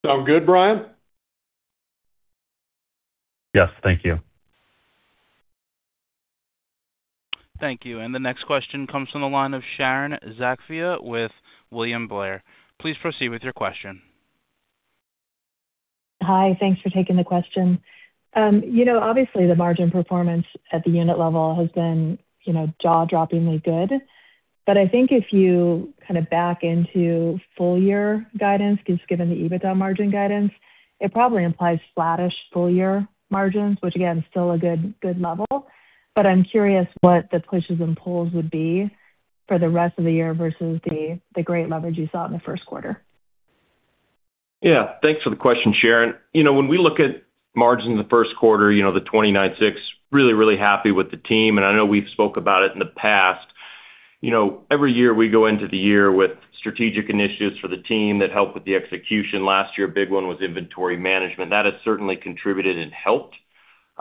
Sound good, Brian? Yes, thank you. Thank you. The next question comes from the line of Sharon Zackfia with William Blair. Please proceed with your question. Hi. Thanks for taking the question. You know, obviously, the margin performance at the unit level has been, you know, jaw-droppingly good. I think if you kind of back into full year guidance, just given the EBITDA margin guidance, it probably implies flattish full year margins, which again, is still a good level. I'm curious what the pushes and pulls would be for the rest of the year versus the great leverage you saw in the first quarter. Yeah. Thanks for the question, Sharon. You know, when we look at margins in the first quarter, you know, the 29.6%, really happy with the team, and I know we've spoken about it in the past. You know, every year we go into the year with strategic initiatives for the team that help with the execution. Last year, big one was inventory management. That has certainly contributed and helped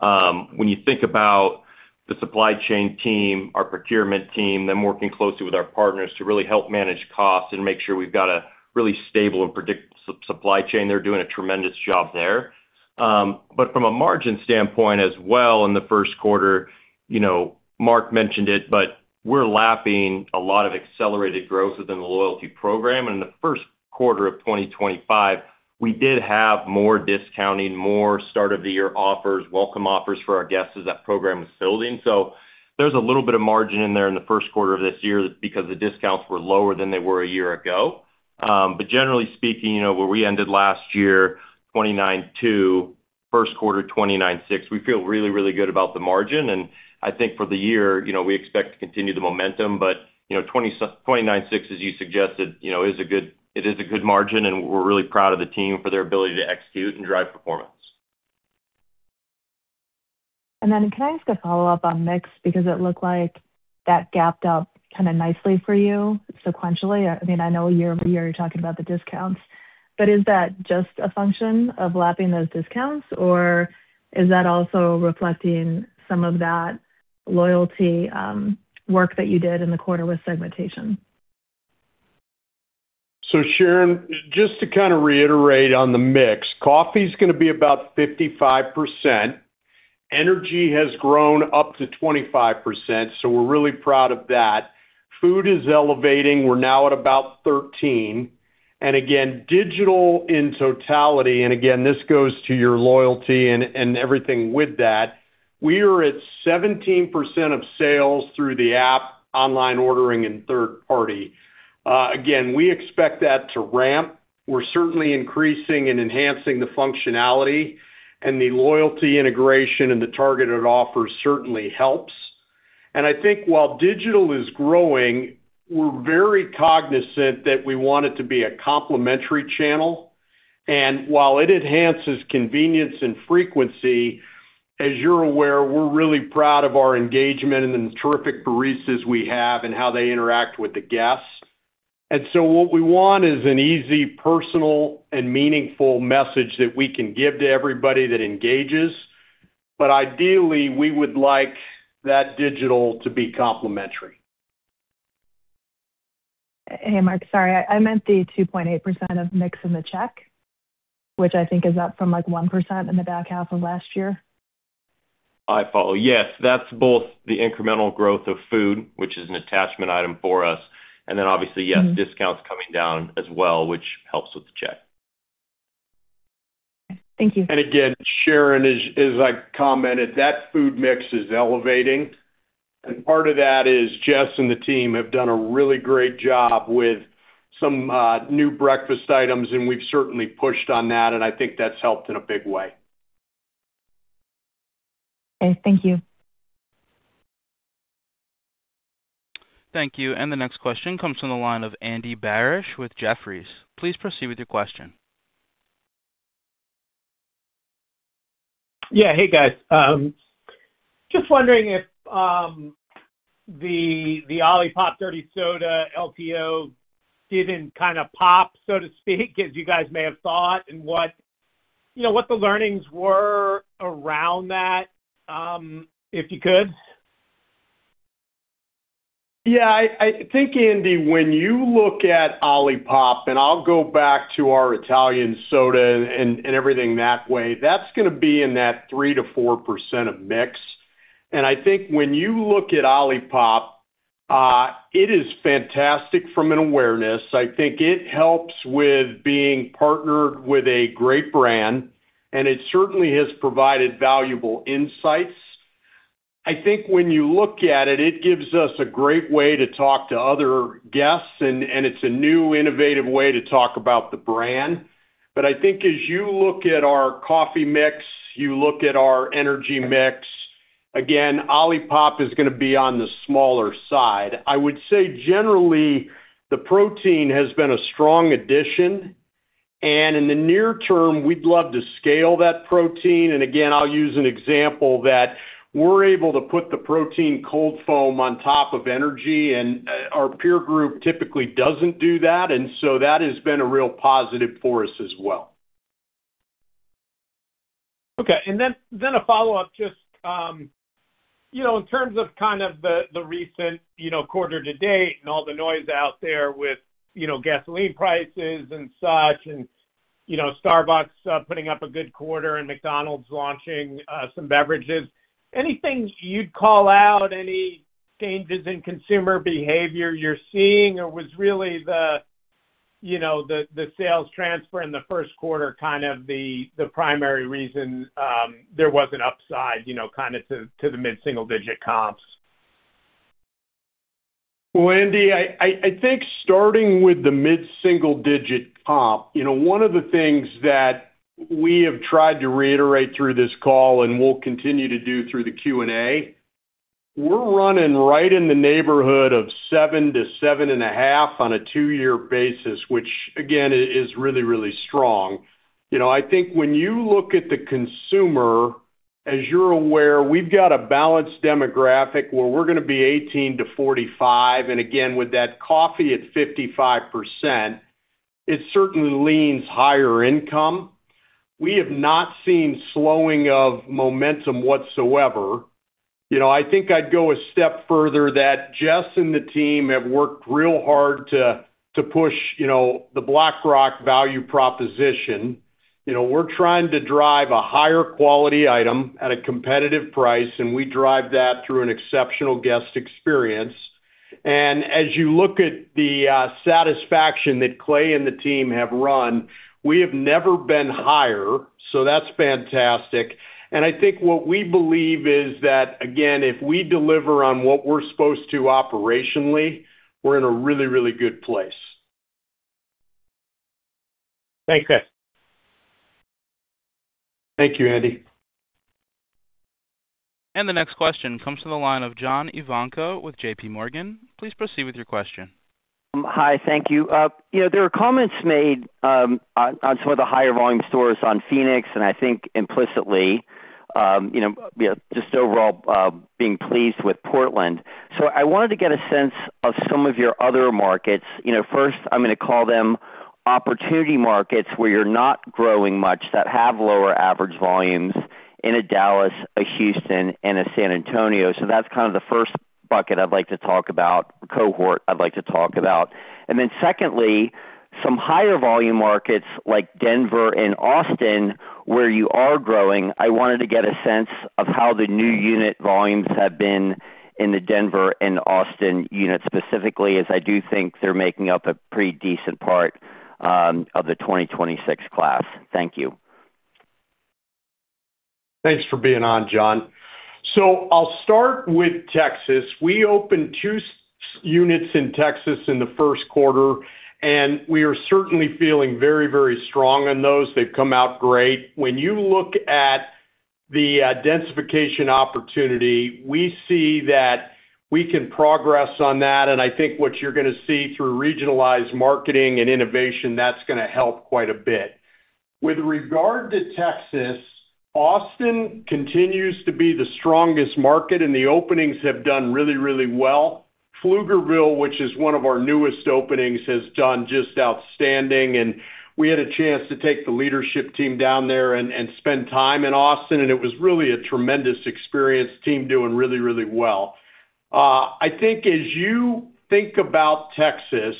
When you think about the supply chain team, our procurement team, them working closely with our partners to really help manage costs and make sure we've got a really stable and predictable supply chain, they're doing a tremendous job there. From a margin standpoint as well in the first quarter, you know, Mark mentioned it, we're lapping a lot of accelerated growth within the loyalty program. In the first quarter of 2025, we did have more discounting, more start of the year offers, welcome offers for our guests as that program was building. There's a little bit of margin in there in the first quarter of this year because the discounts were lower than they were a year ago. Generally speaking, you know, where we ended last year, 29.2%, first quarter, 29.6%, we feel really, really good about the margin. I think for the year, you know, we expect to continue the momentum. You know, 29.6%, as you suggested, you know, is a good margin, and we're really proud of the team for their ability to execute and drive performance. Can I ask a follow-up on mix? It looked like that gapped up kinda nicely for you sequentially. I know year-over-year you're talking about the discounts, but is that just a function of lapping those discounts, or is that also reflecting some of that loyalty work that you did in the quarter with segmentation? Sharon, just to kind of reiterate on the mix, coffee's gonna be about 55%. Energy has grown up to 25%, so we're really proud of that. Food is elevating. We're now at about 13%. Again, digital in totality, and again, this goes to your loyalty and everything with that, we are at 17% of sales through the app, online ordering, and third party. Again, we expect that to ramp. We're certainly increasing and enhancing the functionality, and the loyalty integration and the targeted offers certainly helps. I think while digital is growing, we're very cognizant that we want it to be a complementary channel. While it enhances convenience and frequency, as you're aware, we're really proud of our engagement and the terrific baristas we have and how they interact with the guests. What we want is an easy, personal, and meaningful message that we can give to everybody that engages. Ideally, we would like that digital to be complementary. Hey, Mark. Sorry. I meant the 2.8% of mix in the check, which I think is up from, like, 1% in the back half of last year. I follow. Yes, that's both the incremental growth of food, which is an attachment item for us, and then obviously, yes, discounts coming down as well, which helps with the check. Thank you. Again, Sharon, as I commented, that food mix is elevating, and part of that is Jess and the team have done a really great job with some new breakfast items, and we've certainly pushed on that, and I think that's helped in a big way. Okay, thank you. Thank you. The next question comes from the line of Andy Barish with Jefferies. Please proceed with your question. Yeah. Hey, guys. Just wondering if the Olipop Dirty Soda LTO didn't kind of pop, so to speak, as you guys may have thought, and what, you know, what the learnings were around that, if you could? Yeah. I think, Andy, when you look at Olipop, and I'll go back to our Italian soda and everything that way, that's gonna be in that 3%-4% of mix. I think when you look at Olipop, it is fantastic from an awareness. I think it helps with being partnered with a great brand, and it certainly has provided valuable insights. I think when you look at it gives us a great way to talk to other guests, and it's a new, innovative way to talk about the brand. I think as you look at our coffee mix, you look at our energy mix, again, Olipop is gonna be on the smaller side. I would say generally, the protein has been a strong addition, and in the near term, we'd love to scale that protein. Again, I'll use an example that we're able to put the protein cold foam on top of energy, and our peer group typically doesn't do that. That has been a real positive for us as well. Okay. Then a follow-up just, you know, in terms of kind of the recent, you know, quarter to date and all the noise out there with, you know, gasoline prices and such, you know, Starbucks putting up a good quarter and McDonald's launching some beverages. Anything you'd call out, any changes in consumer behavior you're seeing, or was really the, you know, the sales transfer in the first quarter kind of the primary reason there was an upside, you know, kind of to the mid-single-digit comps? Well, Andy Barish, I think starting with the mid-single-digit comp, you know, one of the things that we have tried to reiterate through this call and will continue to do through the Q&A. We're running right in the neighborhood of 7-7.5 on a two-year basis, which, again, is really, really strong. You know, I think when you look at the consumer, as you're aware, we've got a balanced demographic where we're going to be 18 to 45. Again, with that coffee at 55%, it certainly leans higher income. We have not seen slowing of momentum whatsoever. You know, I think I'd go a step further that Jess Williams and the team have worked real hard to push, you know, the Black Rock value proposition. You know, we're trying to drive a higher quality item at a competitive price, and we drive that through an exceptional guest experience. As you look at the satisfaction that Clay and the team have run, we have never been higher. That's fantastic. I think what we believe is that, again, if we deliver on what we're supposed to operationally, we're in a really, really good place. Thanks, guys. Thank you, Andy. The next question comes from the line of John Ivankoe with JP Morgan. Please proceed with your question. Hi, thank you. You know, there were comments made on some of the higher volume stores on Phoenix, and I think implicitly, you know, just overall, being pleased with Portland. I wanted to get a sense of some of your other markets. You know, first, I'm gonna call them opportunity markets where you're not growing much, that have lower average volumes in a Dallas, a Houston, and a San Antonio. That's kind of the first bucket I'd like to talk about, cohort I'd like to talk about. Then secondly, some higher volume markets like Denver and Austin, where you are growing. I wanted to get a sense of how the new unit volumes have been in the Denver and Austin units specifically, as I do think they're making up a pretty decent part of the 2026 class. Thank you. Thanks for being on, John. I'll start with Texas. We opened two units in Texas in the first quarter. We are certainly feeling very, very strong on those. They've come out great. When you look at the densification opportunity, we see that we can progress on that, and I think what you're gonna see through regionalized marketing and innovation, that's gonna help quite a bit. With regard to Texas, Austin continues to be the strongest market. The openings have done really, really well. Pflugerville, which is one of our newest openings, has done just outstanding. We had a chance to take the leadership team down there and spend time in Austin, and it was really a tremendous experience. Team doing really, really well. I think as you think about Texas,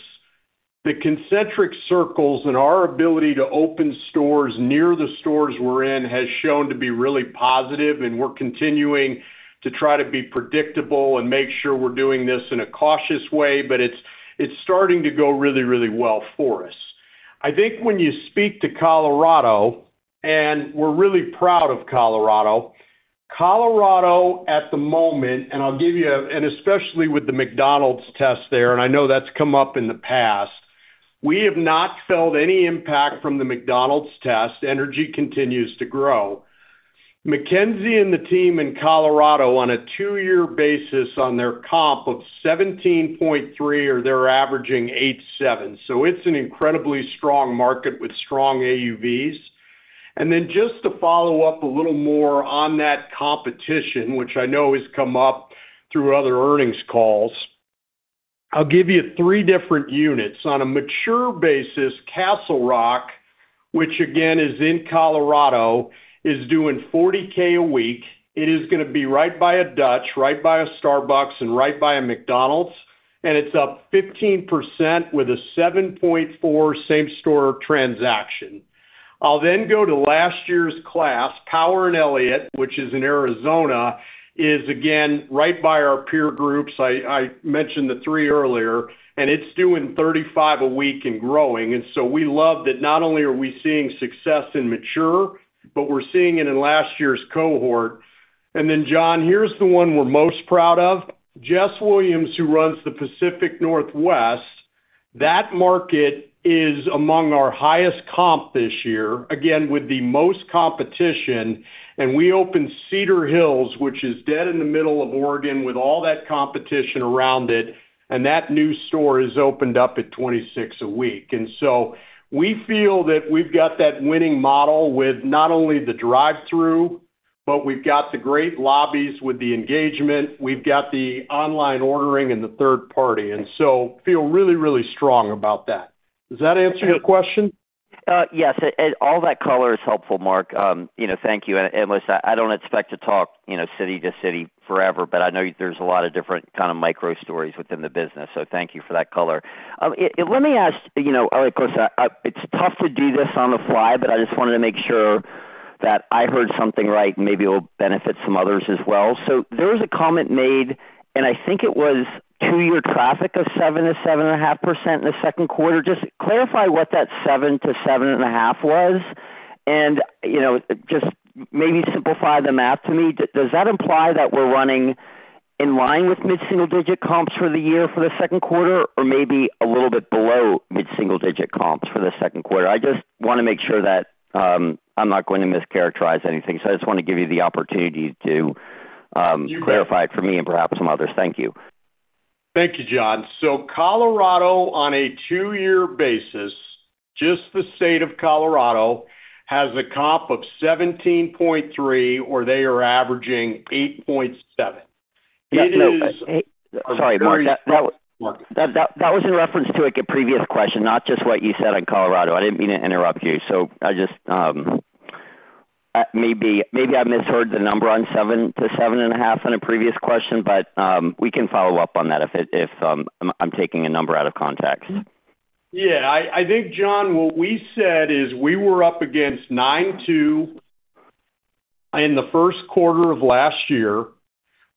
the concentric circles and our ability to open stores near the stores we're in has shown to be really positive, and we're continuing to try to be predictable and make sure we're doing this in a cautious way, but it's starting to go really, really well for us. I think when you speak to Colorado, and we're really proud of Colorado. Colorado at the moment, especially with the McDonald's test there, and I know that's come up in the past, we have not felt any impact from the McDonald's test. Energy continues to grow. McKenzie and the team in Colorado, on a two year basis on their comp of 17.3% or they're averaging 87. It's an incredibly strong market with strong AUVs. Just to follow up a little more on that competition, which I know has come up through other earnings calls, I'll give you three different units. On a mature basis, Castle Rock, which again is in Colorado, is doing $40K a week. It is gonna be right by a Dutch Bros, right by a Starbucks, and right by a McDonald's, and it's up 15% with a 7.4 same store transaction. I'll then go to last year's class, Power and Elliott, which is in Arizona, is again right by our peer groups. I mentioned the three earlier, and it's doing $35 a week and growing. We love that not only are we seeing success in mature, but we're seeing it in last year's cohort. John, here's the one we're most proud of. Jess Williams, who runs the Pacific Northwest, that market is among our highest comp this year, again with the most competition. We opened Cedar Hills, which is dead in the middle of Oregon with all that competition around it, and that new store has opened up at $26 a week. We feel that we've got that winning model with not only the drive-through, but we've got the great lobbies with the engagement. We've got the online ordering and the third party, and so feel really, really strong about that. Does that answer your question? Yes, all that color is helpful, Mark. You know, thank you. Listen, I don't expect to talk, you know, city to city forever, but I know there's a lot of different kind of micro stories within the business, so thank you for that color. Let me ask, you know, of course, I, it's tough to do this on the fly, but I just wanted to make sure that I heard something right, maybe it'll benefit some others as well. There was a comment made, and I think it was two year traffic of 7%-7.5% in the 2nd quarter. Just clarify what that 7% to 7.5% was and, you know, just maybe simplify the math to me. Does that imply that we're running in line with mid-single digit comps for the year for the second quarter or maybe a little bit below mid-single digit comps for the second quarter? I just wanna make sure that I'm not going to mischaracterize anything, so I just wanna give you the opportunity to clarify it for me and perhaps some others. Thank you. Thank you, John. Colorado, on a two-year basis, just the state of Colorado, has a comp of 17.3, or they are averaging 8.7. No, hey, sorry, Mark. That was in reference to a previous question, not just what you said on Colorado. I didn't mean to interrupt you. I just, maybe I misheard the number on 7-7.5 in a previous question, but we can follow up on that if I'm taking a number out of context. I think, John, what we said is we were up against 9.2 in the first quarter of last year.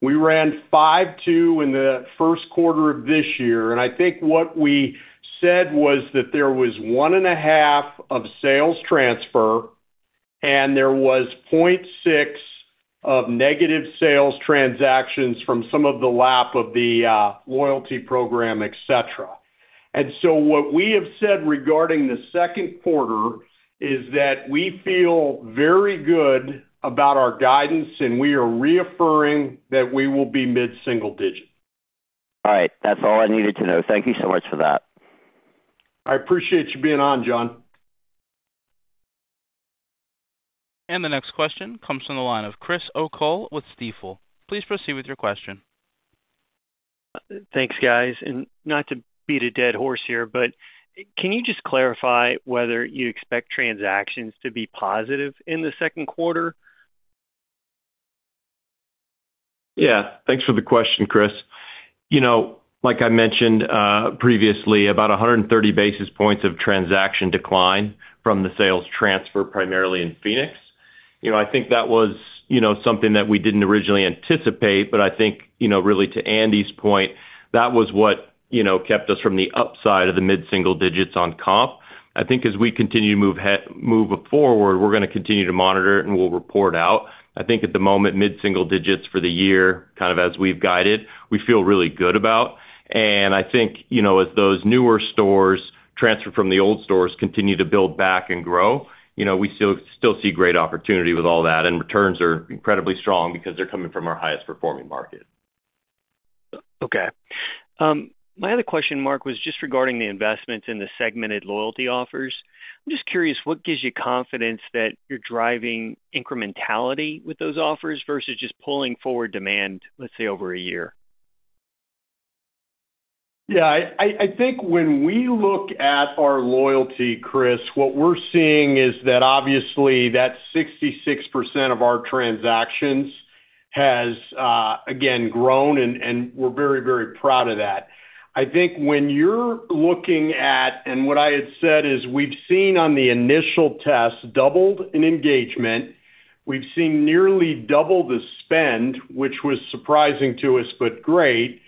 We ran 5.2 in the first quarter of this year. I think what we said was that there was 1.5% of sales transfer and there was 0.6% of negative sales transactions from some of the lap of the loyalty program, et cetera. What we have said regarding the second quarter is that we feel very good about our guidance, and we are reaffirming that we will be mid-single-digit. All right. That's all I needed to know. Thank you so much for that. I appreciate you being on, John. The next question comes from the line of Chris O'Cull with Stifel. Please proceed with your question. Thanks, guys. Not to beat a dead horse here, but can you just clarify whether you expect transactions to be positive in the second quarter? Yeah, thanks for the question, Chris. You know, like I mentioned, previously, about 130 basis points of transaction decline from the sales transfer primarily in Phoenix. You know, I think that was, you know, something that we didn't originally anticipate, but I think, you know, really to Andy's point, that was what, you know, kept us from the upside of the mid-single digits on comp. I think as we continue to move forward, we're gonna continue to monitor it and we'll report out. I think at the moment, mid-single digits for the year, kind of as we've guided, we feel really good about. I think, you know, as those newer stores transfer from the old stores continue to build back and grow, you know, we still see great opportunity with all that, and returns are incredibly strong because they're coming from our highest performing market. Okay. My other question, Mark, was just regarding the investment in the segmented loyalty offers. I'm just curious, what gives you confidence that you're driving incrementality with those offers versus just pulling forward demand, let's say, over a year? Yeah. I think when we look at our loyalty, Chris, what we're seeing is that obviously that 66% of our transactions has again grown and we're very, very proud of that. I think when you're looking at what I had said is we've seen on the initial test doubled in engagement. We've seen nearly double the spend, which was surprising to us, but great.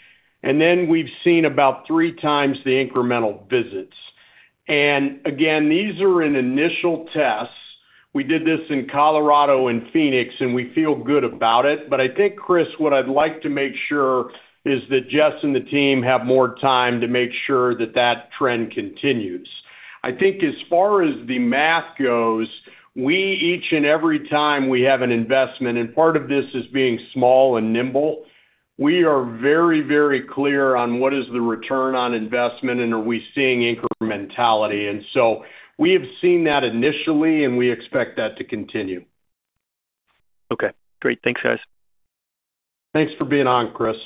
Then we've seen about 3x the incremental visits. Again, these are in initial tests. We did this in Colorado and Phoenix, and we feel good about it. I think, Chris, what I'd like to make sure is that Jess and the team have more time to make sure that that trend continues. I think as far as the math goes, we each and every time we have an investment, and part of this is being small and nimble, we are very, very clear on what is the return on investment and are we seeing incrementality. We have seen that initially, and we expect that to continue. Okay, great. Thanks, guys. Thanks for being on, Chris.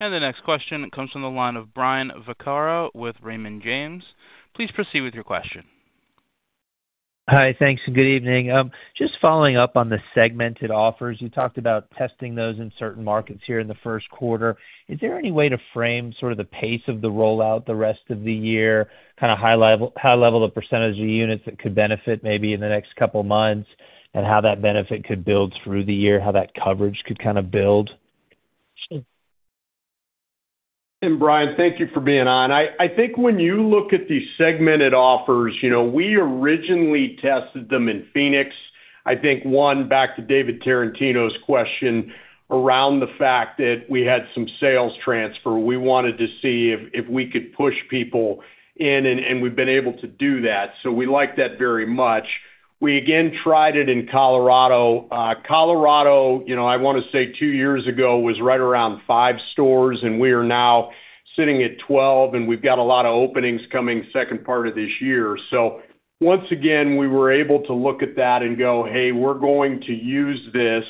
The next question comes from the line of Brian Vaccaro with Raymond James. Please proceed with your question. Hi. Thanks, and good evening. Just following up on the segmented offers. You talked about testing those in certain markets here in the first quarter. Is there any way to frame sort of the pace of the rollout the rest of the year, kind of high level of percentage of units that could benefit maybe in the next two months, and how that benefit could build through the year, how that coverage could kind of build? Brian, thank you for being on. I think when you look at the segmented offers, you know, we originally tested them in Phoenix. I think, one, back to David Tarantino's question around the fact that we had some sales transfer. We wanted to see if we could push people in and we've been able to do that. We like that very much. We again tried it in Colorado. Colorado, you know, I want to say two years ago was right around five stores, and we are now sitting at 12, and we've got a lot of openings coming second part of this year. Once again, we were able to look at that and go, "Hey, we're going to use this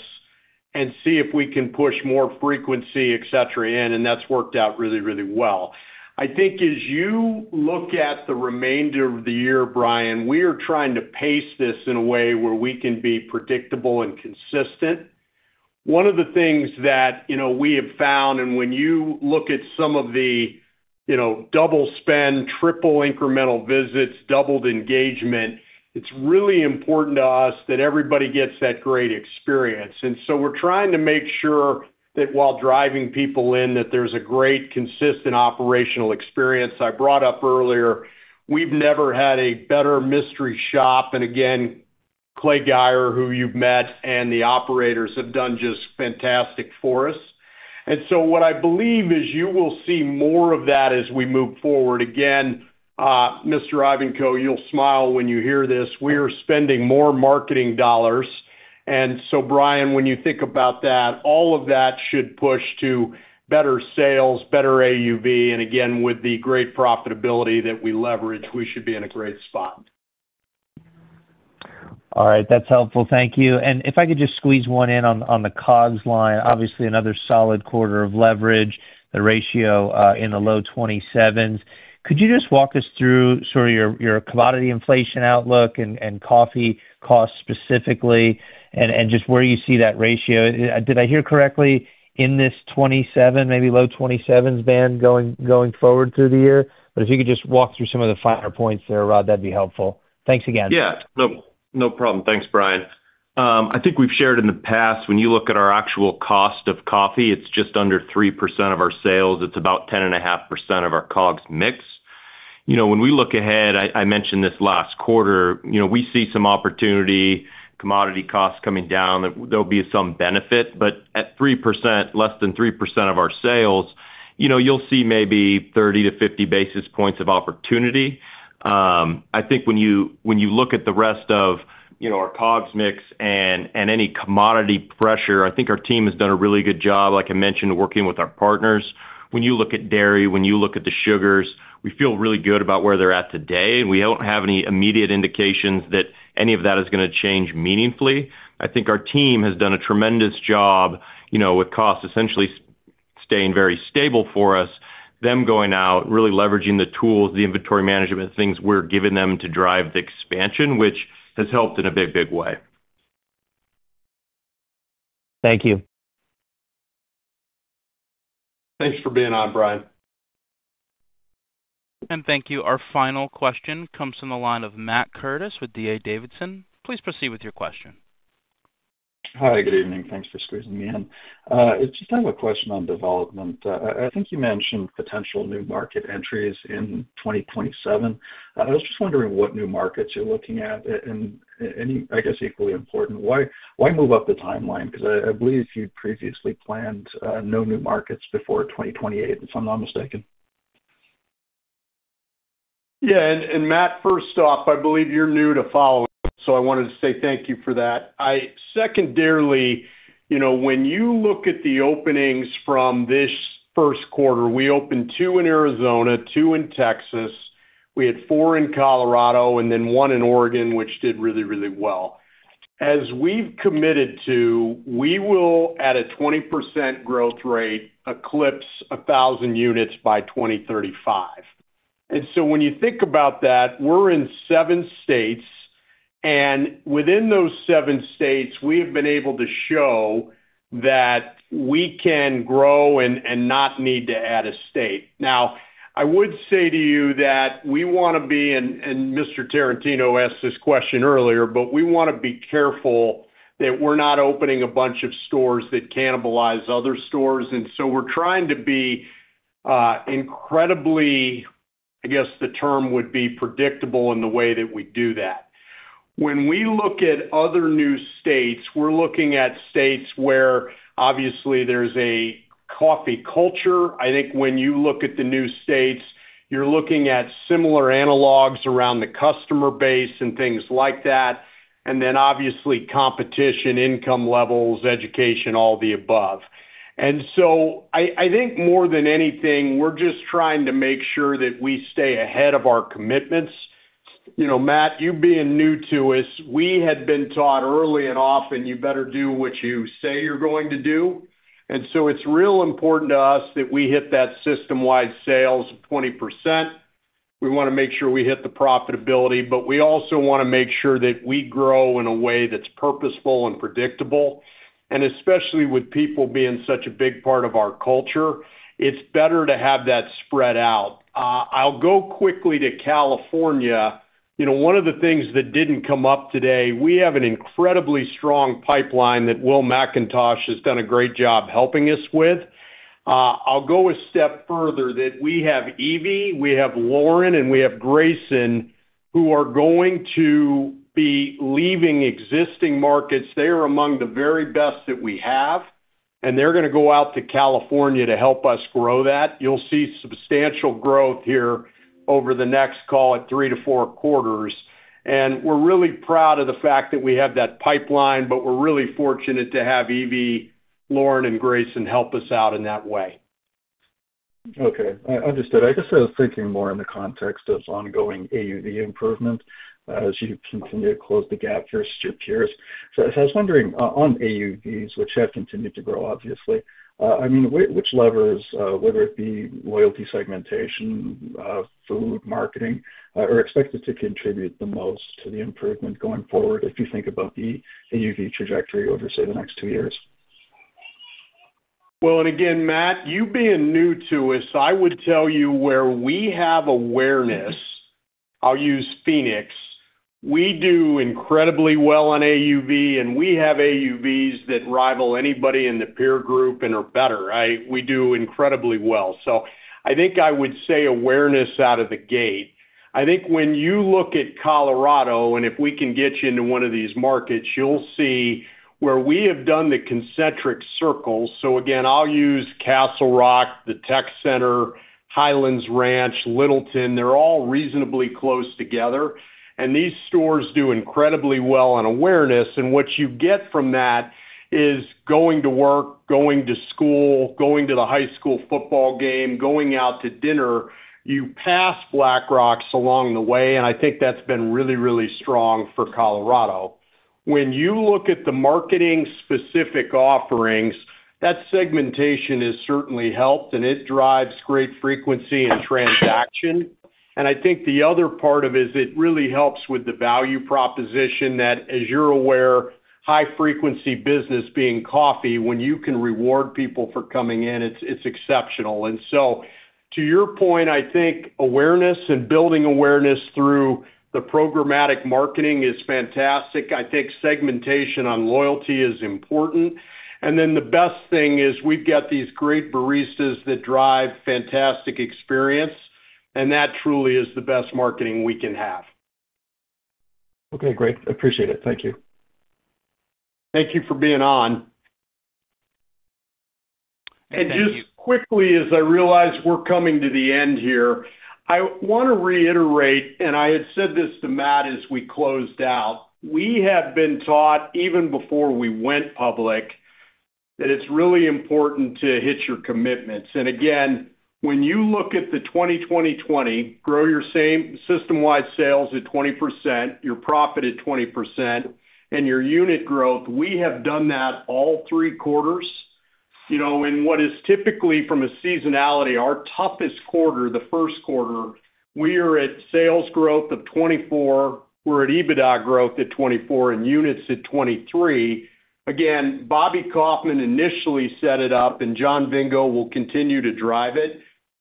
and see if we can push more frequency, et cetera, in." That's worked out really, really well. I think as you look at the remainder of the year, Brian, we are trying to pace this in a way where we can be predictable and consistent. One of the things that, you know, we have found, and when you look at some of the, you know, double spend, triple incremental visits, doubled engagement, it's really important to us that everybody gets that great experience. We're trying to make sure that while driving people in, that there's a great consistent operational experience. I brought up earlier, we've never had a better mystery shop. Again, Clay Geyer, who you've met, and the operators have done just fantastic for us. What I believe is you will see more of that as we move forward. Again, Mr. Ivankoe, you'll smile when you hear this. We are spending more marketing dollars. Brian, when you think about that, all of that should push to better sales, better AUV, and again, with the great profitability that we leverage, we should be in a great spot. All right, that's helpful. Thank you. If I could just squeeze one in on the COGS line. Obviously, another solid quarter of leverage, the ratio in the low 27s. Could you just walk us through sort of your commodity inflation outlook and coffee costs specifically and just where you see that ratio? Did I hear correctly in this 27, maybe low 27s band going forward through the year? If you could just walk through some of the finer points there, Rodd, that'd be helpful. Thanks again. Yeah. No, no problem. Thanks, Brian. I think we've shared in the past, when you look at our actual cost of coffee, it's just under 3% of our sales. It's about 10.5% of our COGS mix. You know, when we look ahead, I mentioned this last quarter, you know, we see some opportunity, commodity costs coming down. There'll be some benefit, but at less than 3% of our sales, you know, you'll see maybe 30-50 basis points of opportunity. I think when you look at the rest of, you know, our COGS mix and any commodity pressure, I think our team has done a really good job, like I mentioned, working with our partners. When you look at dairy, when you look at the sugars, we feel really good about where they're at today, and we don't have any immediate indications that any of that is gonna change meaningfully. I think our team has done a tremendous job, you know, with costs essentially staying very stable for us, them going out, really leveraging the tools, the inventory management things we're giving them to drive the expansion, which has helped in a big, big way. Thank you. Thanks for being on, Brian. Thank you. Our final question comes from the line of Matt Curtis with D.A. Davidson. Please proceed with your question. Hi, good evening. Thanks for squeezing me in. It's just I have a question on development. I think you mentioned potential new market entries in 2027. I was just wondering what new markets you're looking at. I guess equally important, why move up the timeline? I believe you previously planned no new markets before 2028, if I'm not mistaken. Yeah. Matt Curtis, first off, I believe you're new to following, so I wanted to say thank you for that. Secondarily, you know, when you look at the openings from this first quarter, we opened two in Arizona, two in Texas, we had four in Colorado, and then one in Oregon, which did really, really well. As we've committed to, we will, at a 20% growth rate, eclipse 1,000 units by 2035. When you think about that, we're in seven states, and within those seven states, we have been able to show that we can grow and not need to add a state. Now, I would say to you that we wanna be, and Mr. Tarantino asked this question earlier, we wanna be careful that we're not opening a bunch of stores that cannibalize other stores. We're trying to be incredibly, I guess the term would be predictable in the way that we do that. When we look at other new states, we're looking at states where obviously there's a coffee culture. I think when you look at the new states, you're looking at similar analogs around the customer base and things like that, then obviously competition, income levels, education, all the above. I think more than anything, we're just trying to make sure that we stay ahead of our commitments. You know, Matt, you being new to us, we had been taught early and often you better do what you say you're going to do. It's real important to us that we hit that system-wide sales of 20%. We wanna make sure we hit the profitability, but we also wanna make sure that we grow in a way that's purposeful and predictable. Especially with people being such a big part of our culture, it's better to have that spread out. I'll go quickly to California. You know, one of the things that didn't come up today, we have an incredibly strong pipeline that Will MacIntosh has done a great job helping us with. I'll go a step further that we have Evie, we have Lauren, and we have Grayson who are going to be leaving existing markets. They are among the very best that we have, and they're gonna go out to California to help us grow that. You'll see substantial growth here over the next, call it three to four quarters. We're really proud of the fact that we have that pipeline, but we're really fortunate to have Evie, Lauren, and Grayson help us out in that way. Okay. Understood. I guess I was thinking more in the context of ongoing AUV improvement as you continue to close the gap versus your peers. I was wondering, on AUVs, which have continued to grow, obviously, I mean, which levers, whether it be loyalty segmentation, food, marketing, are expected to contribute the most to the improvement going forward if you think about the AUV trajectory over, say, the next two years? Well, Matt, you being new to us, I would tell you where we have awareness, I'll use Phoenix, we do incredibly well on AUV, and we have AUVs that rival anybody in the peer group and are better. We do incredibly well. I think I would say awareness out of the gate. I think when you look at Colorado, and if we can get you into one of these markets, you'll see where we have done the concentric circles. Again, I'll use Castle Rock, the Tech Center, Highlands Ranch, Littleton, they're all reasonably close together, and these stores do incredibly well on awareness. What you get from that is going to work, going to school, going to the high school football game, going out to dinner, you pass Black Rocks along the way, and I think that's been really, really strong for Colorado. When you look at the marketing specific offerings, that segmentation has certainly helped. It drives great frequency and transaction. I think the other part of is it really helps with the value proposition that, as you're aware, high frequency business being coffee, when you can reward people for coming in, it's exceptional. To your point, I think awareness and building awareness through the programmatic marketing is fantastic. I think segmentation on loyalty is important. The best thing is we've got these great baristas that drive fantastic experience. That truly is the best marketing we can have. Okay, great. Appreciate it. Thank you. Thank you for being on. Thank you. Just quickly, as I realize we're coming to the end here, I wanna reiterate, and I had said this to Matt as we closed out, we have been taught, even before we went public, that it's really important to hit your commitments. Again, when you look at the 20 20 20, grow your same system-wide sales at 20%, your profit at 20%, and your unit growth, we have done that all three quarters. You know, in what is typically from a seasonality, our toughest quarter, the first quarter, we are at sales growth of 24%. We're at EBITDA growth at 24%, and units at 23%. Again, Robert Kaufmann initially set it up and Jon Vingo will continue to drive it,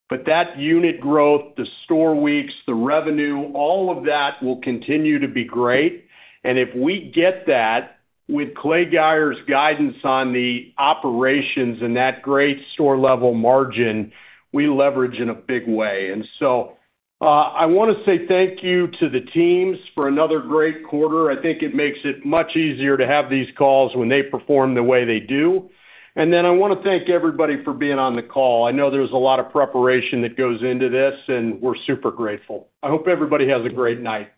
but that unit growth, the store weeks, the revenue, all of that will continue to be great. If we get that with Clay Geyer's guidance on the operations and that great store level margin, we leverage in a big way. I wanna say thank you to the teams for another great quarter. I think it makes it much easier to have these calls when they perform the way they do. I wanna thank everybody for being on the call. I know there's a lot of preparation that goes into this, and we're super grateful. I hope everybody has a great night.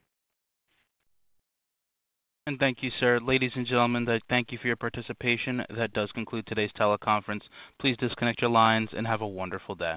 Thank you, sir. Ladies and gentlemen, thank you for your participation. That does conclude today's teleconference. Please disconnect your lines and have a wonderful day.